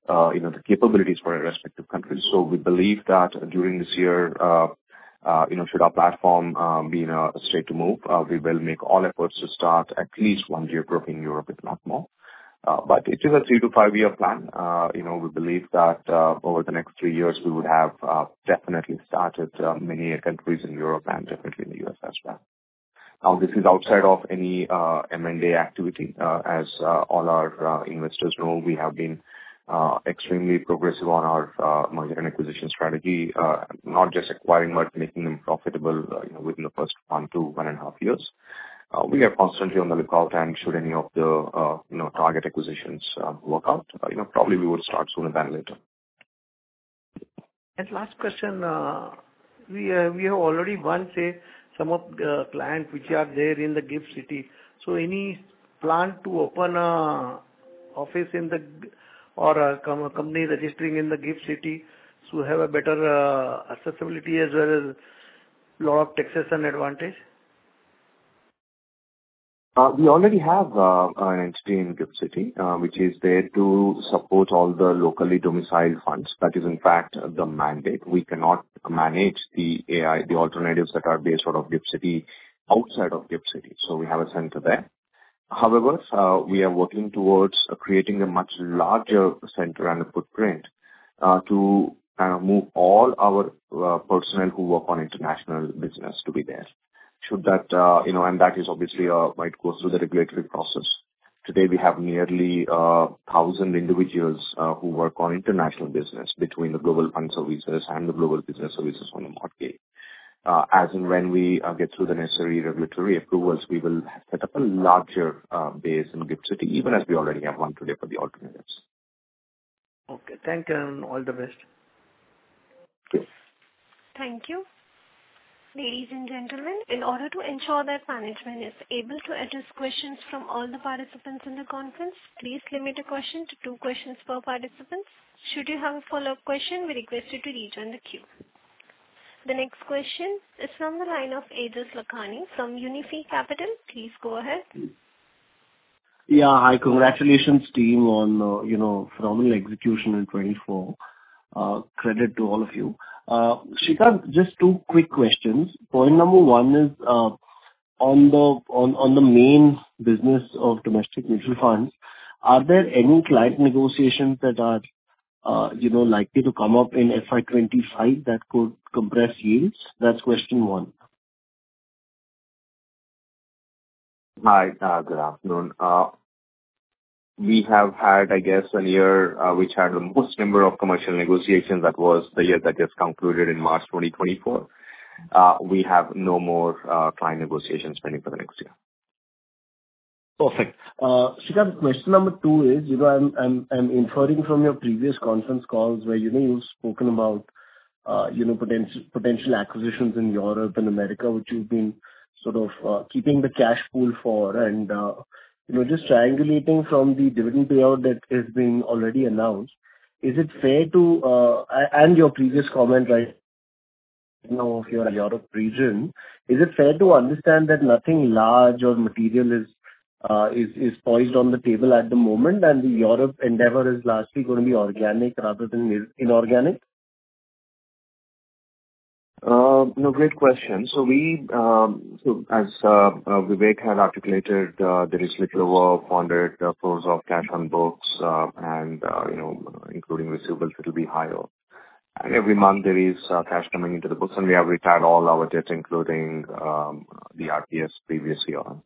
[SPEAKER 3] you know, the capabilities for a respective country. So we believe that during this year, you know, should our platform be in a state to move, we will make all efforts to start at least one geography in Europe, if not more. But it is a three-five-year plan. You know, we believe that, over the next 3 years, we would have definitely started many countries in Europe and definitely in the U.S. as well. Now, this is outside of any M&A activity. As all our investors know, we have been extremely progressive on our merger and acquisition strategy. Not just acquiring, but making them profitable, you know, within the first 1 to 1.5 years. We are constantly on the lookout, and should any of the, you know, target acquisitions work out, you know, probably we will start sooner than later.
[SPEAKER 8] Last question, we have already won, say, some of the clients which are there in the GIFT City. So any plan to open an office in the GIFT City or a company registering in the GIFT City to have a better accessibility as well as a lot of tax advantages?
[SPEAKER 3] We already have an entity in GIFT City, which is there to support all the locally domiciled funds. That is, in fact, the mandate. We cannot manage the AIF, the alternatives that are based out of GIFT City, outside of GIFT City, so we have a center there. However, we are working towards creating a much larger center and a footprint to move all our personnel who work on international business to be there. Should that, you know, and that is obviously might go through the regulatory process. Today, we have nearly 1,000 individuals who work on international business between the global fund services and the global business services on the market. As and when we get through the necessary regulatory approvals, we will set up a larger base in GIFT City, even as we already have one today for the alternatives.
[SPEAKER 8] Okay. Thank you, and all the best.
[SPEAKER 3] Yes.
[SPEAKER 1] Thank you. Ladies and gentlemen. In order to ensure that management is able to address questions from all the participants in the conference, please limit a question to two questions per participant. Should you have a follow-up question, we request you to rejoin the queue. The next question is from the line of Aejas Lakhani from Unifi Capital. Please go ahead.
[SPEAKER 9] Yeah. Hi. Congratulations, team, on, you know, phenomenal execution in 2024. Credit to all of you. Sreekanth, just two quick questions. Point number one is, on the main business of domestic mutual funds, are there any client negotiations that are, you know, likely to come up in FY 2025 that could compress yields? That's question one.
[SPEAKER 3] Hi, good afternoon. We have had, I guess, a year which had the most number of commercial negotiations. That was the year that just concluded in March 2024. We have no more client negotiations pending for the next year.
[SPEAKER 9] Perfect. Sreekanth, question number two is, you know, I'm inferring from your previous conference calls where, you know, you've spoken about, you know, potential acquisitions in Europe and America, which you've been sort of, keeping the cash pool for. And, you know, just triangulating from the dividend payout that has been already announced, is it fair to, and your previous comment, right, you know, of your Europe region, is it fair to understand that nothing large or material is, is poised on the table at the moment, and the Europe endeavor is largely gonna be organic rather than inorganic?
[SPEAKER 3] No, great question. So we, so as, Vivek had articulated, there is a little over INR 100 crore of cash on books, and, you know, including receivables, it'll be higher. And every month there is, cash coming into the books, and we have retired all our debts, including, the RPS previously on.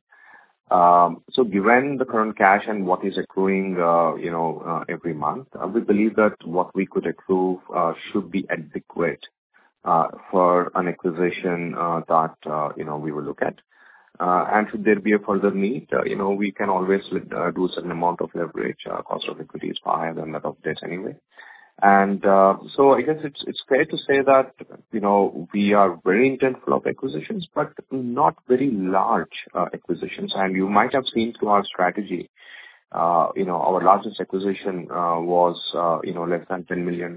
[SPEAKER 3] So given the current cash and what is accruing, you know, every month, we believe that what we could accrue, should be adequate, for an acquisition, that, you know, we will look at. And should there be a further need, you know, we can always, do a certain amount of leverage. Cost of equity is far higher than that of debts anyway. I guess it's fair to say that, you know, we are very intentional of acquisitions, but not very large acquisitions. You might have seen through our strategy, you know, our largest acquisition was, you know, less than $10 million.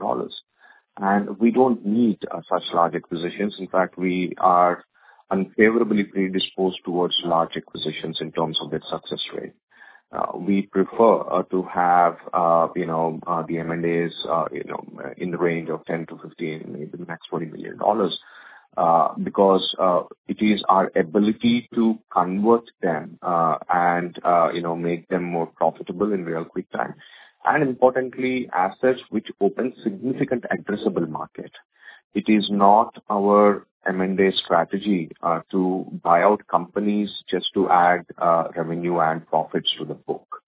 [SPEAKER 3] We don't need such large acquisitions. In fact, we are unfavorably predisposed towards large acquisitions in terms of their success rate. We prefer to have, you know, the M&As, you know, in the range of 10-15, maybe max $20 million, because it is our ability to convert them and, you know, make them more profitable in real quick time, and importantly, assets which open significant addressable market. It is not our M&A strategy to buy out companies just to add revenue and profits to the book.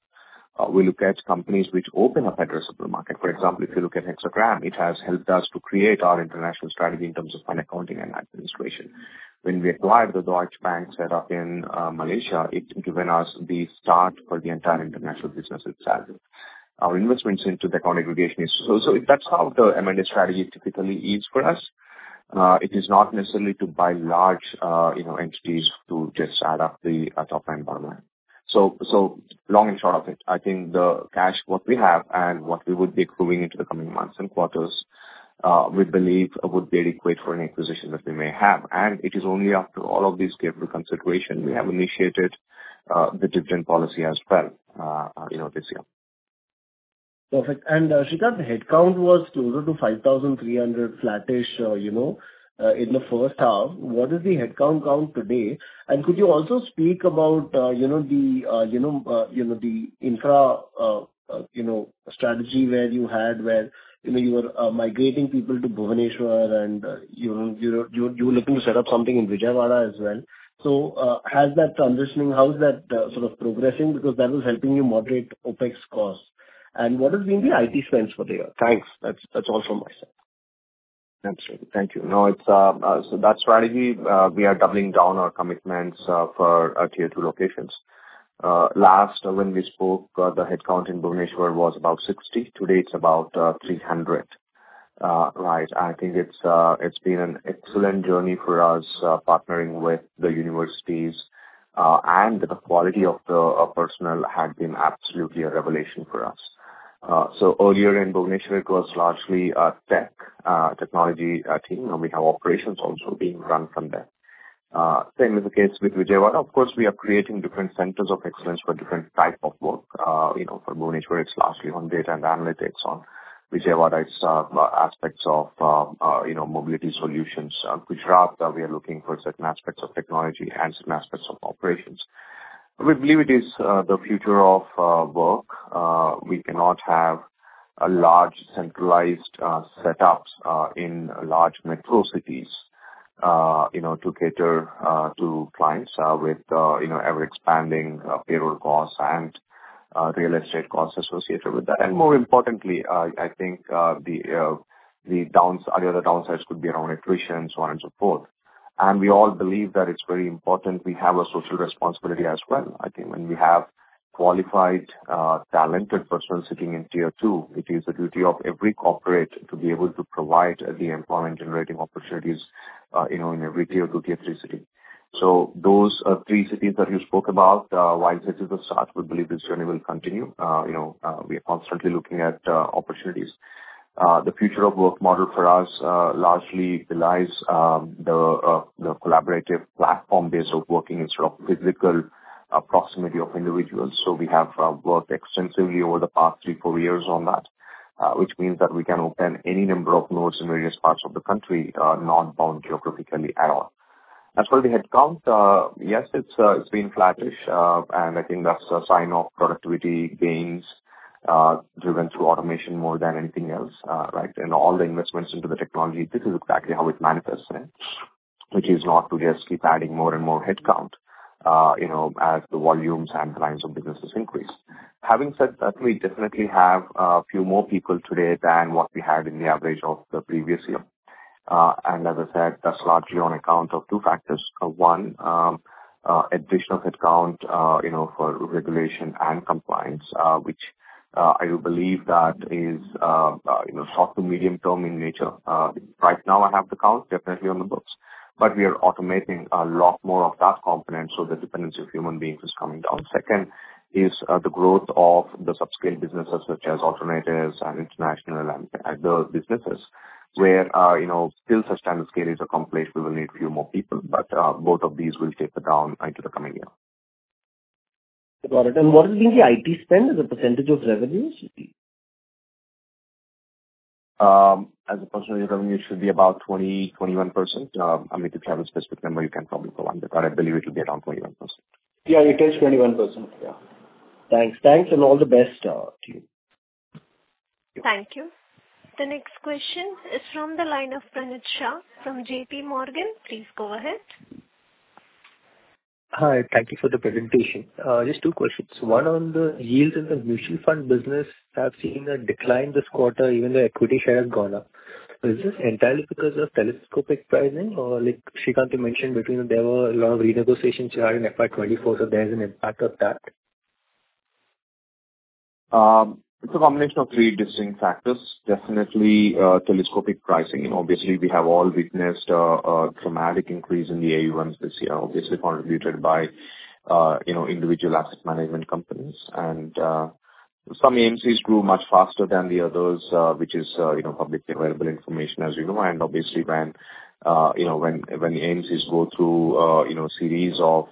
[SPEAKER 3] We look at companies which open up addressable market. For example, if you look at Hexagram, it has helped us to create our international strategy in terms of fund accounting and administration. When we acquired the Deutsche Bank set up in Malaysia, it's given us the start for the entire international business itself. Our investments into the account aggregation is also... That's how the M&A strategy typically is for us. It is not necessarily to buy large, you know, entities to just add up the top-line number. So, the long and short of it, I think the cash, what we have and what we would be accruing into the coming months and quarters, we believe would be adequate for any acquisition that we may have. And it is only after all of these given due consideration, we have initiated the dividend policy as well, you know, this year.
[SPEAKER 9] Perfect. Sreekanth, the headcount was closer to 5,300, flattish, you know, in the first half. What is the headcount count today? And could you also speak about, you know, the, you know, strategy where you had, where, you know, you were, migrating people to Bhubaneswar, and, you know, you're, you're looking to set up something in Vijayawada as well. So, how's that transitioning? How is that, sort of progressing? Because that was helping you moderate OpEx costs. And what has been the IT spends for the year? Thanks. That's, that's also myself.
[SPEAKER 3] Absolutely. Thank you. No, it's so that strategy, we are doubling down our commitments for our tier two locations. Last, when we spoke, the headcount in Bhubaneswar was about 60. Today, it's about 300. Right, I think it's been an excellent journey for us, partnering with the universities, and the quality of the personnel had been absolutely a revelation for us. So earlier in Bhubaneswar, it was largely tech, technology team, and we have operations also being run from there. Same is the case with Vijayawada. Of course, we are creating different centers of excellence for different type of work. You know, for Bhubaneswar, it's largely on data and analytics. On Vijayawada, it's aspects of, you know, mobility solutions. Gujarat, we are looking for certain aspects of technology and some aspects of operations. We believe it is the future of work. We cannot have a large centralized setups in large metro cities, you know, to cater to clients with, you know, ever-expanding payroll costs and real estate costs associated with that. And more importantly, I think, the other downsides could be around attrition, so on and so forth. And we all believe that it's very important we have a social responsibility as well. I think when we have qualified, talented personnel sitting in Tier two, it is the duty of every corporate to be able to provide the employment-generating opportunities, you know, in every Tier two, Tier three city. So those three cities that you spoke about, while this is the start, we believe this journey will continue. You know, we are constantly looking at opportunities. The future of work model for us largely relies the collaborative platform base of working instead of physical proximity of individuals. So we have worked extensively over the past three, four years on that, which means that we can open any number of nodes in various parts of the country, not bound geographically at all. As for the headcount, yes, it's been flattish, and I think that's a sign of productivity gains driven through automation more than anything else, right? All the investments into the technology, this is exactly how it's manifesting, which is not to just keep adding more and more headcount, you know, as the volumes and lines of businesses increase. Having said that, we definitely have a few more people today than what we had in the average of the previous year. And as I said, that's largely on account of two factors. One, additional headcount, you know, for regulation and compliance, which, I believe that is, you know, short to medium-term in nature. Right now, I have the count definitely on the books, but we are automating a lot more of that component, so the dependence of human beings is coming down. Second is, the growth of the subscale businesses such as alternatives and international and other businesses, where, you know, still such standard scale is accomplished, we will need a few more people. But, both of these will taper down into the coming year.
[SPEAKER 9] Got it. What has been the IT spend as a percentage of revenues?
[SPEAKER 3] As a percentage of revenue, it should be about 20-21%. I mean, if you have a specific number, you can probably go on that, but I believe it will be around 21%.
[SPEAKER 9] Yeah, it is 21%. Yeah. Thanks. Thanks, and all the best to you.
[SPEAKER 1] Thank you. The next question is from the line of Pranuj Shah from JPMorgan. Please go ahead.
[SPEAKER 10] Hi. Thank you for the presentation. Just two questions. One, on the yields in the mutual fund business, I've seen a decline this quarter, even the equity share has gone up. So is this entirely because of telescopic pricing? Or like Sreekanth, you mentioned between there were a lot of renegotiations you had in FY 2024, so there is an impact of that.
[SPEAKER 3] It's a combination of three distinct factors. Definitely, telescopic pricing. Obviously, we have all witnessed a dramatic increase in the AUMs this year, obviously contributed by, you know, individual asset management companies. And, some AMCs grew much faster than the others, which is, you know, publicly available information, as you know. And obviously, when, you know, when AMCs go through, you know, series of,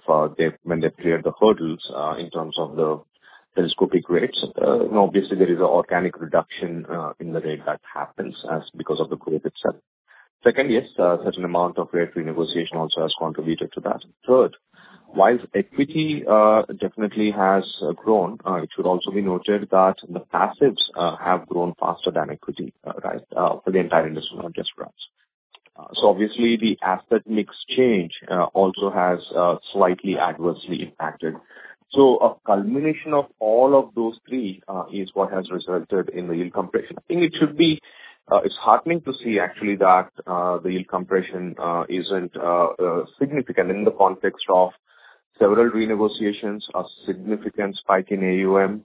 [SPEAKER 3] when they clear the hurdles, in terms of the telescopic rates, you know, obviously there is organic reduction, in the rate that happens as because of the rate itself. Second, yes, certain amount of rate renegotiation also has contributed to that. Third, whilst equity definitely has grown, it should also be noted that the passives have grown faster than equity, right, for the entire industry, not just for us. So obviously the asset mix change also has slightly adversely impacted. So a culmination of all of those three is what has resulted in the yield compression. I think it should be... It's heartening to see actually that the yield compression isn't significant in the context of several renegotiations, a significant spike in AUM,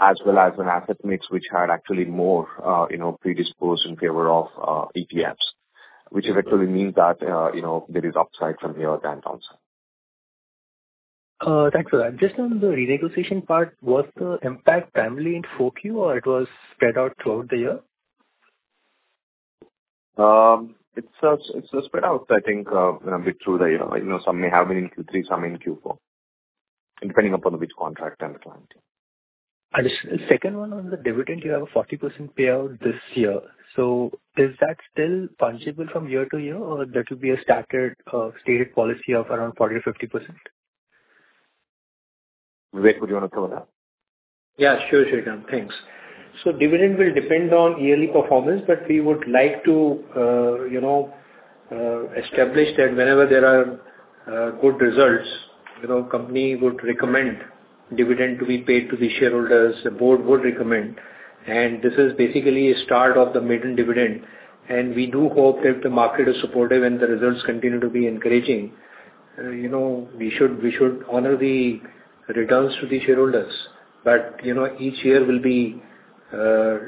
[SPEAKER 3] as well as an asset mix, which had actually more, you know, predisposed in favor of ETPs. Which actually means that, you know, there is upside from here than downside.
[SPEAKER 10] Thanks for that. Just on the renegotiation part, was the impact primarily in Q4 or it was spread out throughout the year?
[SPEAKER 3] It's spread out. I think, you know, a bit through the year. You know, some may have been in Q3, some in Q4, depending upon which contract and the client.
[SPEAKER 10] The second one, on the dividend, you have a 40% payout this year. So is that still payable from year to year, or that would be a standard, stated policy of around 40%-50%?
[SPEAKER 3] Vivek, would you want to cover that?
[SPEAKER 4] Yeah, sure, Sreekanth. Thanks. So dividend will depend on yearly performance, but we would like to, you know, establish that whenever there are good results, you know, company would recommend dividend to be paid to the shareholders, the board would recommend. And this is basically a start of the maiden dividend, and we do hope if the market is supportive and the results continue to be encouraging, you know, we should, we should honor the returns to the shareholders. But, you know, each year will be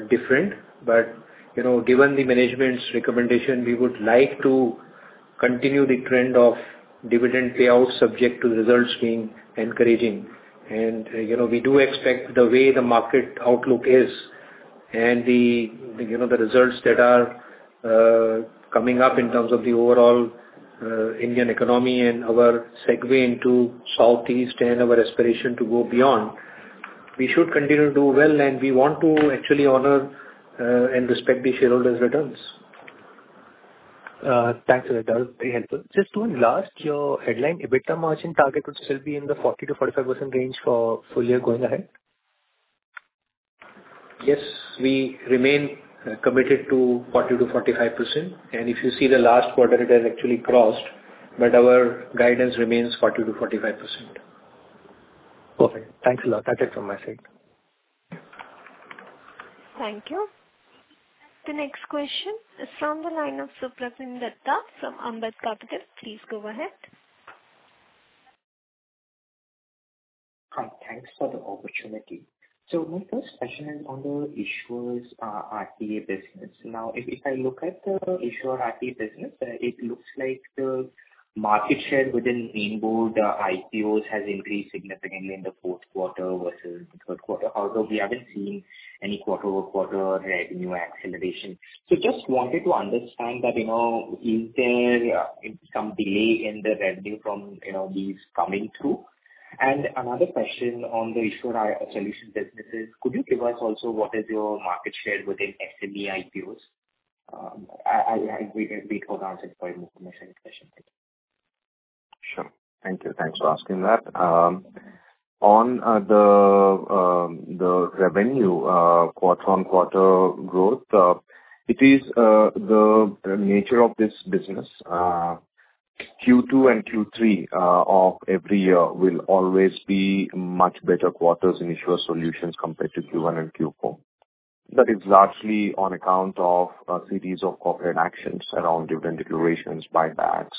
[SPEAKER 4] different. But, you know, given the management's recommendation, we would like to continue the trend of dividend payouts, subject to the results being encouraging. You know, we do expect the way the market outlook is and the, you know, the results that are coming up in terms of the overall Indian economy and our segue into Southeast and our aspiration to go beyond. We should continue to do well, and we want to actually honor and respect the shareholders' returns.
[SPEAKER 10] Thanks for that. Very helpful. Just to enlarge your headline, EBITDA margin target would still be in the 40%-45% range for full year going ahead?
[SPEAKER 4] Yes, we remain committed to 40%-45%, and if you see the last quarter, it has actually crossed, but our guidance remains 40%-45%.
[SPEAKER 10] Okay. Thanks a lot. That's it from my side....
[SPEAKER 1] Thank you. The next question is from the line of Supratim Datta from Ambit Capital. Please go ahead.
[SPEAKER 11] Hi. Thanks for the opportunity. So my first question is on the issuer's RTA business. Now, if I look at the issuer RTA business, it looks like the market share within Main Board IPOs has increased significantly in the fourth quarter versus the third quarter, although we haven't seen any quarter-over-quarter revenue acceleration. So just wanted to understand that, you know, is there some delay in the revenue from, you know, these coming through? And another question on the issuer solutions businesses, could you give us also what is your market share within SME IPOs? I we can answer it for you in my second question. Thank you.
[SPEAKER 3] Sure. Thank you. Thanks for asking that. On the revenue quarter-on-quarter growth, it is the nature of this business. Q2 and Q3 of every year will always be much better quarters in Issuer solutions compared to Q1 and Q4. That is largely on account of a series of corporate actions around dividend declarations, buybacks,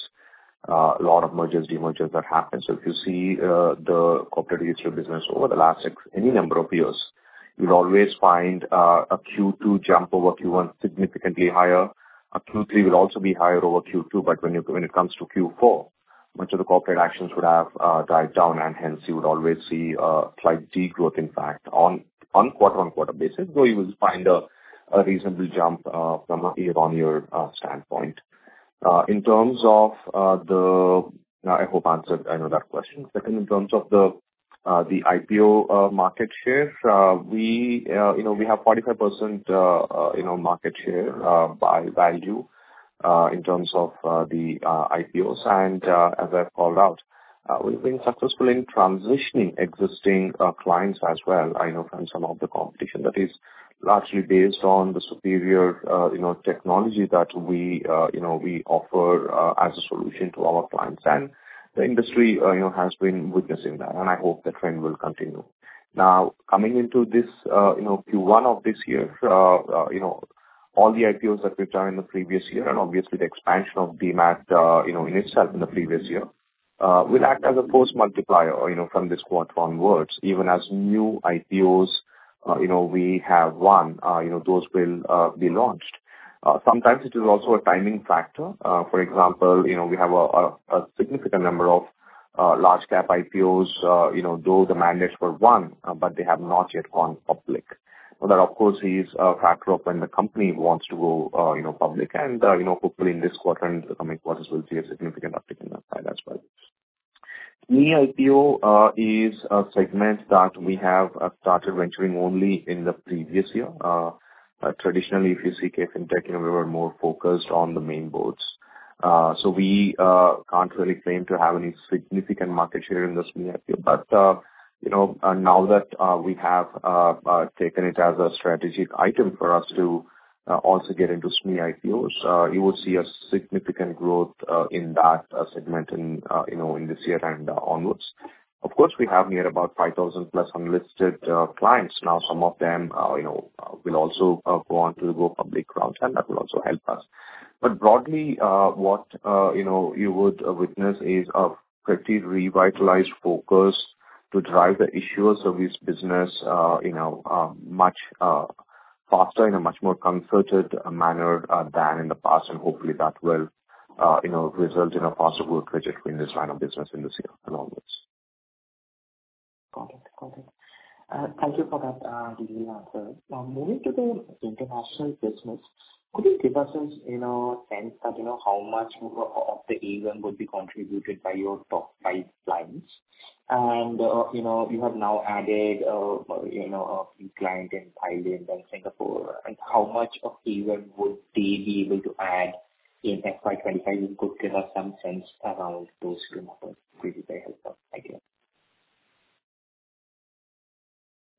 [SPEAKER 3] a lot of mergers, demergers that happen. So if you see the corporate retail business over the last X, any number of years, you'll always find a Q2 jump over Q1 significantly higher. A Q3 will also be higher over Q2, but when it comes to Q4, much of the corporate actions would have died down, and hence you would always see a slight degrowth impact on quarter-on-quarter basis, though you will find a reasonable jump from a year-on-year standpoint. In terms of the... I hope I answered, I know, that question. Second, in terms of the IPO market share, we, you know, we have 45%, you know, market share by value in terms of the IPOs. And, as I called out, we've been successful in transitioning existing clients as well, I know from some of the competition. That is largely based on the superior, you know, technology that we, you know, we offer, as a solution to our clients. And the industry, you know, has been witnessing that, and I hope the trend will continue. Now, coming into this, you know, Q1 of this year, you know, all the IPOs that we've done in the previous year and obviously the expansion of DMAT, you know, in itself in the previous year, will act as a force multiplier or, you know, from this quarter onwards, even as new IPOs, you know, we have one, you know, those will, be launched. Sometimes it is also a timing factor. For example, you know, we have a significant number of large cap IPOs. You know, though the mandates were one, but they have not yet gone public. Well, that, of course, is a factor of when the company wants to go, you know, public, and, you know, hopefully in this quarter and the coming quarters we'll see a significant uptick in that side as well. SME IPO is a segment that we have started venturing only in the previous year. Traditionally, if you see KFin Technologies, you know, we were more focused on the main boards. So we can't really claim to have any significant market share in the SME IPO. But you know, now that we have taken it as a strategic item for us to also get into SME IPOs, you will see a significant growth in that segment in you know, in this year and onwards. Of course, we have near about 5,000 plus unlisted clients now. Some of them you know will also go on to the public route, and that will also help us. But broadly, what you know, you would witness is a pretty revitalized focus to drive the issuer service business you know much faster, in a much more concerted manner than in the past. And hopefully that will you know result in a faster growth trajectory in this line of business in this year and onwards.
[SPEAKER 11] Got it. Got it. Thank you for that, detailed answer. Now, moving to the international business, could you give us a, you know, sense of, you know, how much of the AUM would be contributed by your top five clients? And, you know, you have now added, you know, a few client in Thailand and Singapore, and how much of AUM would they be able to add in FY 25? You could give us some sense around those numbers. It would be very helpful. Thank you.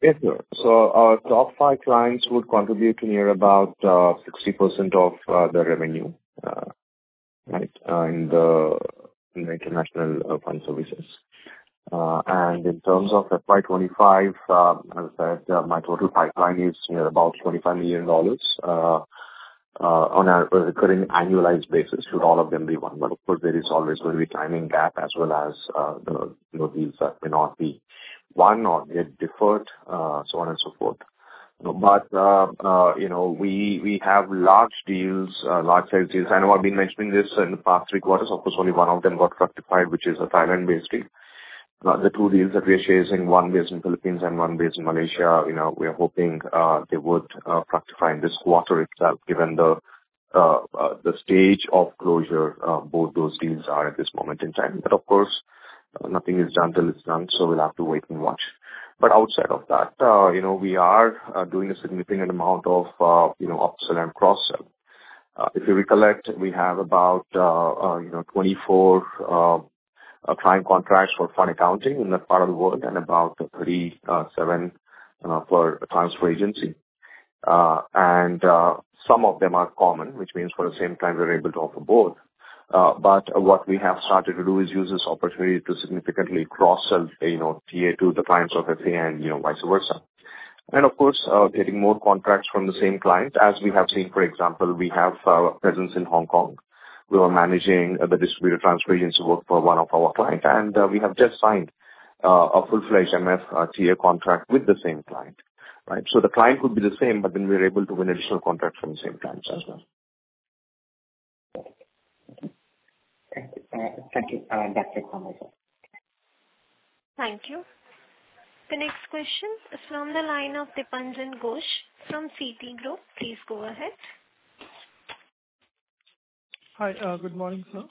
[SPEAKER 3] Yes, sure. So our top five clients would contribute to near about 60% of the revenue, right, in the international fund services. And in terms of FY 2025, as I said, my total pipeline is near about $25 million on a recurring annualized basis, should all of them be one. But of course, there is always going to be timing gap as well as the, you know, deals that may not be one or get deferred, so on and so forth. But, you know, we have large deals, large size deals. I know I've been mentioning this in the past three quarters. Of course, only one of them got fructified, which is a Thailand-based deal. The two deals that we are chasing, one is in Philippines and one based in Malaysia. You know, we are hoping they would fructify in this quarter itself, given the stage of closure both those deals are at this moment in time. But of course, nothing is done till it's done, so we'll have to wait and watch. But outside of that, you know, we are doing a significant amount of you know upsell and cross-sell. If you recollect, we have about you know 24 client contracts for fund accounting in that part of the world and about 37 for transfer agency. And some of them are common, which means for the same time we're able to offer both.... But what we have started to do is use this opportunity to significantly cross-sell, you know, TA to the clients of FA and, you know, vice versa. And of course, getting more contracts from the same client. As we have seen, for example, we have a presence in Hong Kong. We are managing the distributed transfer agency work for one of our clients, and we have just signed a full-fledged MF TA contract with the same client, right? So the client could be the same, but then we're able to win additional contracts from the same clients as well.
[SPEAKER 11] Thank you. Thank you, that's it from my side.
[SPEAKER 1] Thank you. The next question is from the line of Dipanjan Ghosh from Citigroup. Please go ahead.
[SPEAKER 12] Hi, good morning, sir.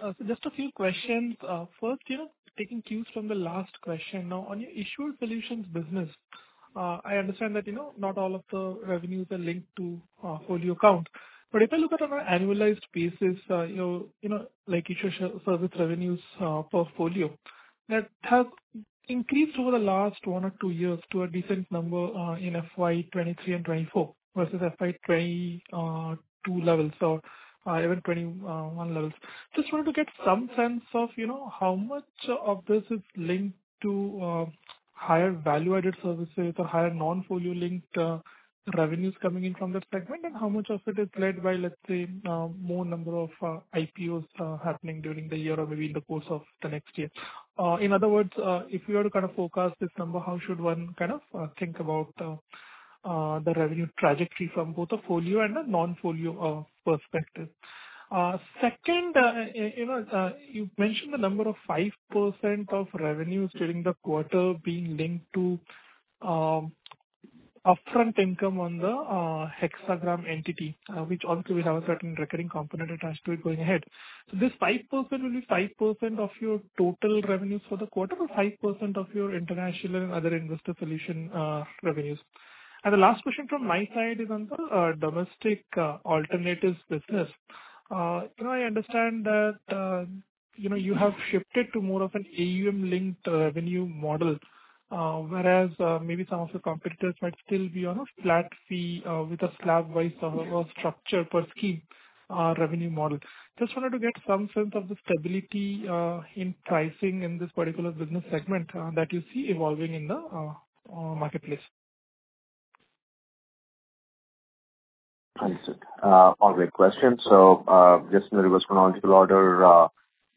[SPEAKER 12] So just a few questions. First, you know, taking cues from the last question, now, on your issuer solutions business, I understand that, you know, not all of the revenues are linked to folio account. But if I look at on an annualized basis, you know, you know, like, issuer services revenues per folio, that has increased over the last one or two years to a decent number, in FY 2023 and 2024, versus FY 2022 levels or even 2021 levels. Just wanted to get some sense of, you know, how much of this is linked to higher value-added services or higher non-folio linked revenues coming in from that segment? How much of it is led by, let's say, more number of IPOs happening during the year or maybe in the course of the next year? In other words, if you were to kind of forecast this number, how should one kind of think about the revenue trajectory from both a folio and a non-folio perspective? Second, you know, you mentioned the number of 5% of revenues during the quarter being linked to upfront income on the Hexagram entity, which also will have a certain recurring component attached to it going ahead. So this 5%, will it be 5% of your total revenues for the quarter, or 5% of your international and other investor solution revenues? And the last question from my side is on the domestic alternatives business. You know, I understand that, you know, you have shifted to more of an AUM-linked revenue model, whereas, maybe some of your competitors might still be on a flat fee, with a slab-wise structure per scheme revenue model. Just wanted to get some sense of the stability in pricing in this particular business segment that you see evolving in the marketplace.
[SPEAKER 3] Understood. All great questions. So, just in the reverse chronological order,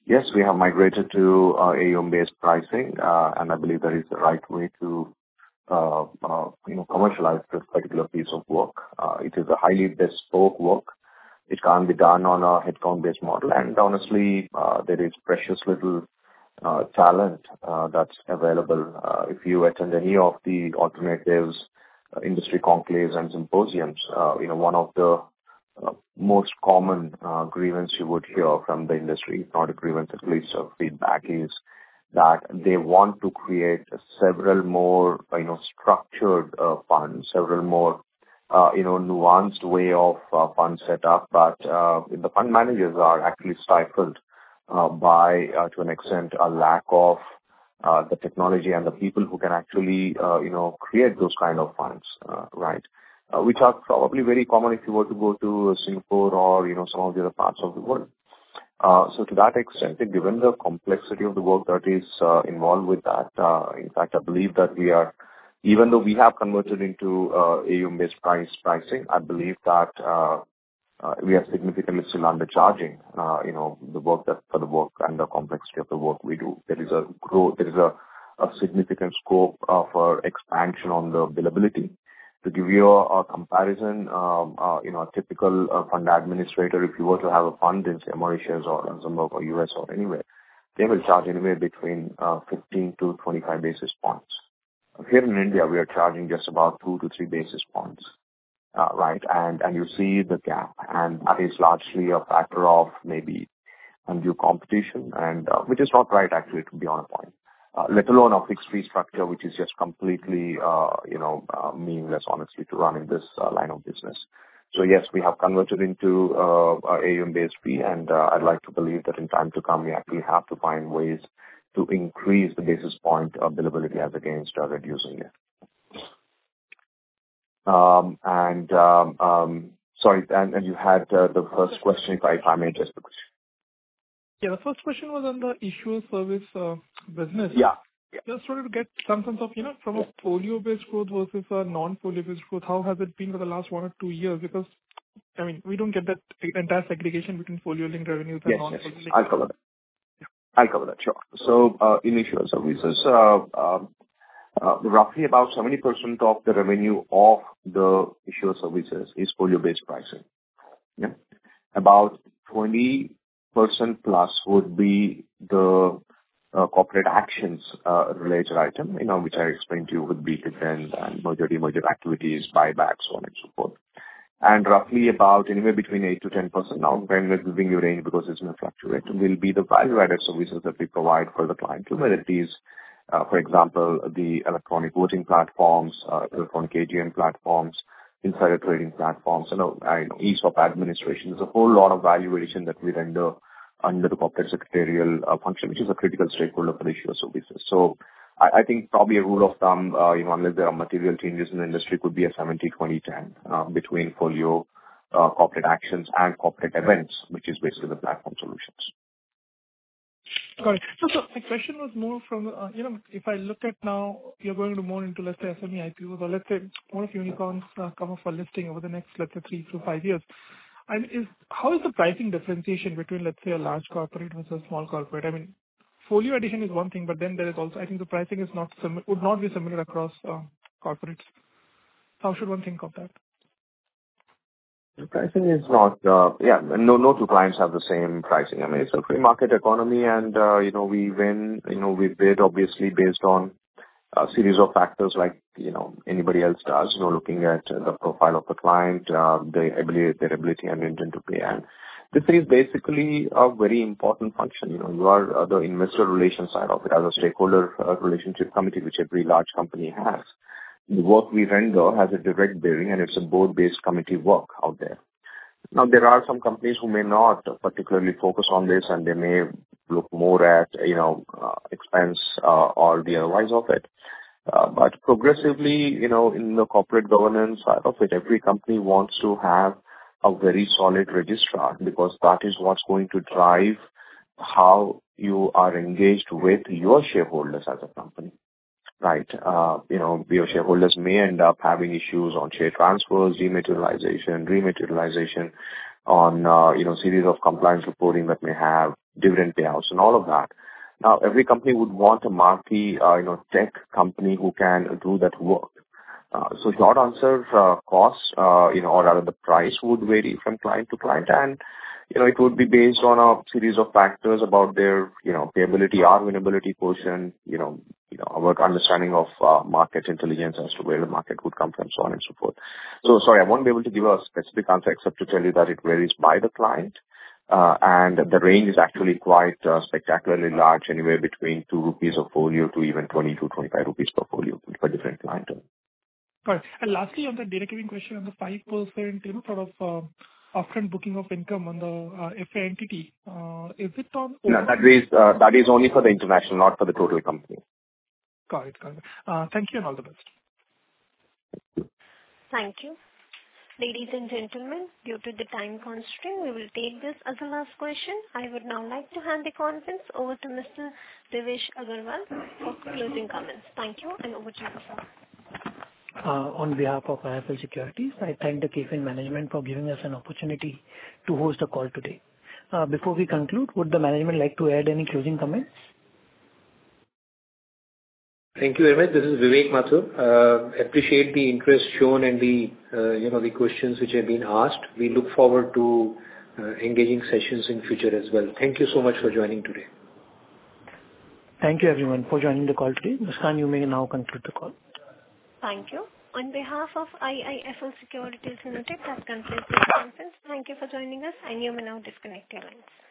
[SPEAKER 3] yes, we have migrated to AUM-based pricing, and I believe that is the right way to you know, commercialize this particular piece of work. It is a highly bespoke work. It can't be done on a headcount-based model, and honestly, there is precious little talent that's available. If you attend any of the alternatives industry conclaves and symposiums, you know, one of the most common grievance you would hear from the industry, not a grievance, at least of feedback, is that they want to create several more you know, structured funds, several more you know, nuanced way of fund setup. But, the fund managers are actually stifled by, to an extent, a lack of the technology and the people who can actually, you know, create those kind of funds, right? Which are probably very common if you were to go to Singapore or, you know, some of the other parts of the world. So to that extent, and given the complexity of the work that is involved with that, in fact, I believe that we are... Even though we have converted into AUM-based pricing, I believe that we are significantly still undercharging, you know, for the work and the complexity of the work we do. There is a significant scope for expansion on the billability. To give you a comparison, you know, a typical fund administrator, if you were to have a fund in, say, Mauritius or Luxembourg or U.S. or anywhere, they will charge anywhere between 15-25 basis points. Here in India, we are charging just about 2-3 basis points, right? And you see the gap, and that is largely a factor of maybe undue competition, and which is not right, actually, to be honest point. Let alone a fixed fee structure, which is just completely meaningless, honestly, to run in this line of business. So yes, we have converted into AUM-based fee, and I'd like to believe that in time to come, we actually have to find ways to increase the basis point billability as against reducing it. Sorry, and you had the first question, if I may ask the question.
[SPEAKER 12] Yeah, the first question was on the issuer service, business.
[SPEAKER 3] Yeah.
[SPEAKER 12] Just wanted to get some sense of, you know, from a folio-based growth versus a non-folio-based growth, how has it been for the last one or two years? Because, I mean, we don't get that entire segregation between folio-linked revenues and non-folio linked-
[SPEAKER 3] Yes, yes, I'll cover that. I'll cover that, sure. So, in issuer services, roughly about 70% of the revenue of the issuer services is folio-based pricing. Yeah. About 20% plus would be the, corporate actions, related item, you know, which I explained to you, would be events and merger/demerger activities, buybacks, so on and so forth. And roughly about anywhere between 8%-10%, now, when within your range, because it's gonna fluctuate, will be the value-added services that we provide for the client communities. For example, the electronic voting platforms, electronic AGM platforms, insider trading platforms, you know, and ease of administration. There's a whole lot of valuation that we render under the corporate secretarial function, which is a critical stakeholder for issuer services. I, I think probably a rule of thumb, you know, unless there are material changes in the industry, could be a 70/20/10 between folio, corporate actions and corporate events, which is basically the platform solutions....
[SPEAKER 12] Got it. So my question was more from, you know, if I look at now, you're going more into, let's say, SME IPO, or let's say, more unicorns come up for listing over the next, let's say, 3-5 years. How is the pricing differentiation between, let's say, a large corporate versus a small corporate? I mean, folio addition is one thing, but then there is also... I think the pricing is not similar would not be similar across corporates. How should one think of that?
[SPEAKER 3] The pricing is not, yeah, no, no two clients have the same pricing. I mean, it's a free market economy, and, you know, we win. You know, we bid, obviously, based on a series of factors like, you know, anybody else does. You know, looking at the profile of the client, their ability, their ability and intent to pay. And this is basically a very important function. You know, you are the investor relations side of it, as a stakeholder, relationship committee, which every large company has. The work we render has a direct bearing, and it's a board-based committee work out there. Now, there are some companies who may not particularly focus on this, and they may look more at, you know, expense, or the otherwise of it. But progressively, you know, in the corporate governance side of it, every company wants to have a very solid registrar, because that is what's going to drive how you are engaged with your shareholders as a company, right? You know, your shareholders may end up having issues on share transfers, dematerialization, rematerialization, on, you know, series of compliance reporting that may have dividend payouts and all of that. Now, every company would want a marquee, you know, tech company who can do that work. So short answer, costs, you know, or rather, the price would vary from client to client. And, you know, it would be based on a series of factors about their, you know, payability, our winnability quotient, you know, you know, our understanding of, market intelligence as to where the market would come from, so on and so forth. So sorry, I won't be able to give a specific answer, except to tell you that it varies by the client, and the range is actually quite spectacularly large, anywhere between INR two a folio to even 20-25 rupees per folio for different client.
[SPEAKER 12] Right. And lastly, on the data giving question, on the 5%, you know, sort of, upfront booking of income on the FA entity, is it on-
[SPEAKER 3] No, that is, that is only for the international, not for the total company.
[SPEAKER 12] Got it. Got it. Thank you, and all the best.
[SPEAKER 1] Thank you. Ladies and gentlemen, due to the time constraint, we will take this as the last question. I would now like to hand the conference over to Mr. Devesh Agarwal for closing comments. Thank you, and over to you, sir.
[SPEAKER 2] On behalf of IIFL Securities, I thank the KFin management for giving us an opportunity to host the call today. Before we conclude, would the management like to add any closing comments?
[SPEAKER 4] Thank you very much. This is Vivek Mathur. Appreciate the interest shown and the, you know, the questions which have been asked. We look forward to engaging sessions in future as well. Thank you so much for joining today.
[SPEAKER 2] Thank you, everyone, for joining the call today. Muskan, you may now conclude the call.
[SPEAKER 1] Thank you. On behalf of IIFL Securities Limited, that concludes the conference. Thank you for joining us, and you may now disconnect your lines.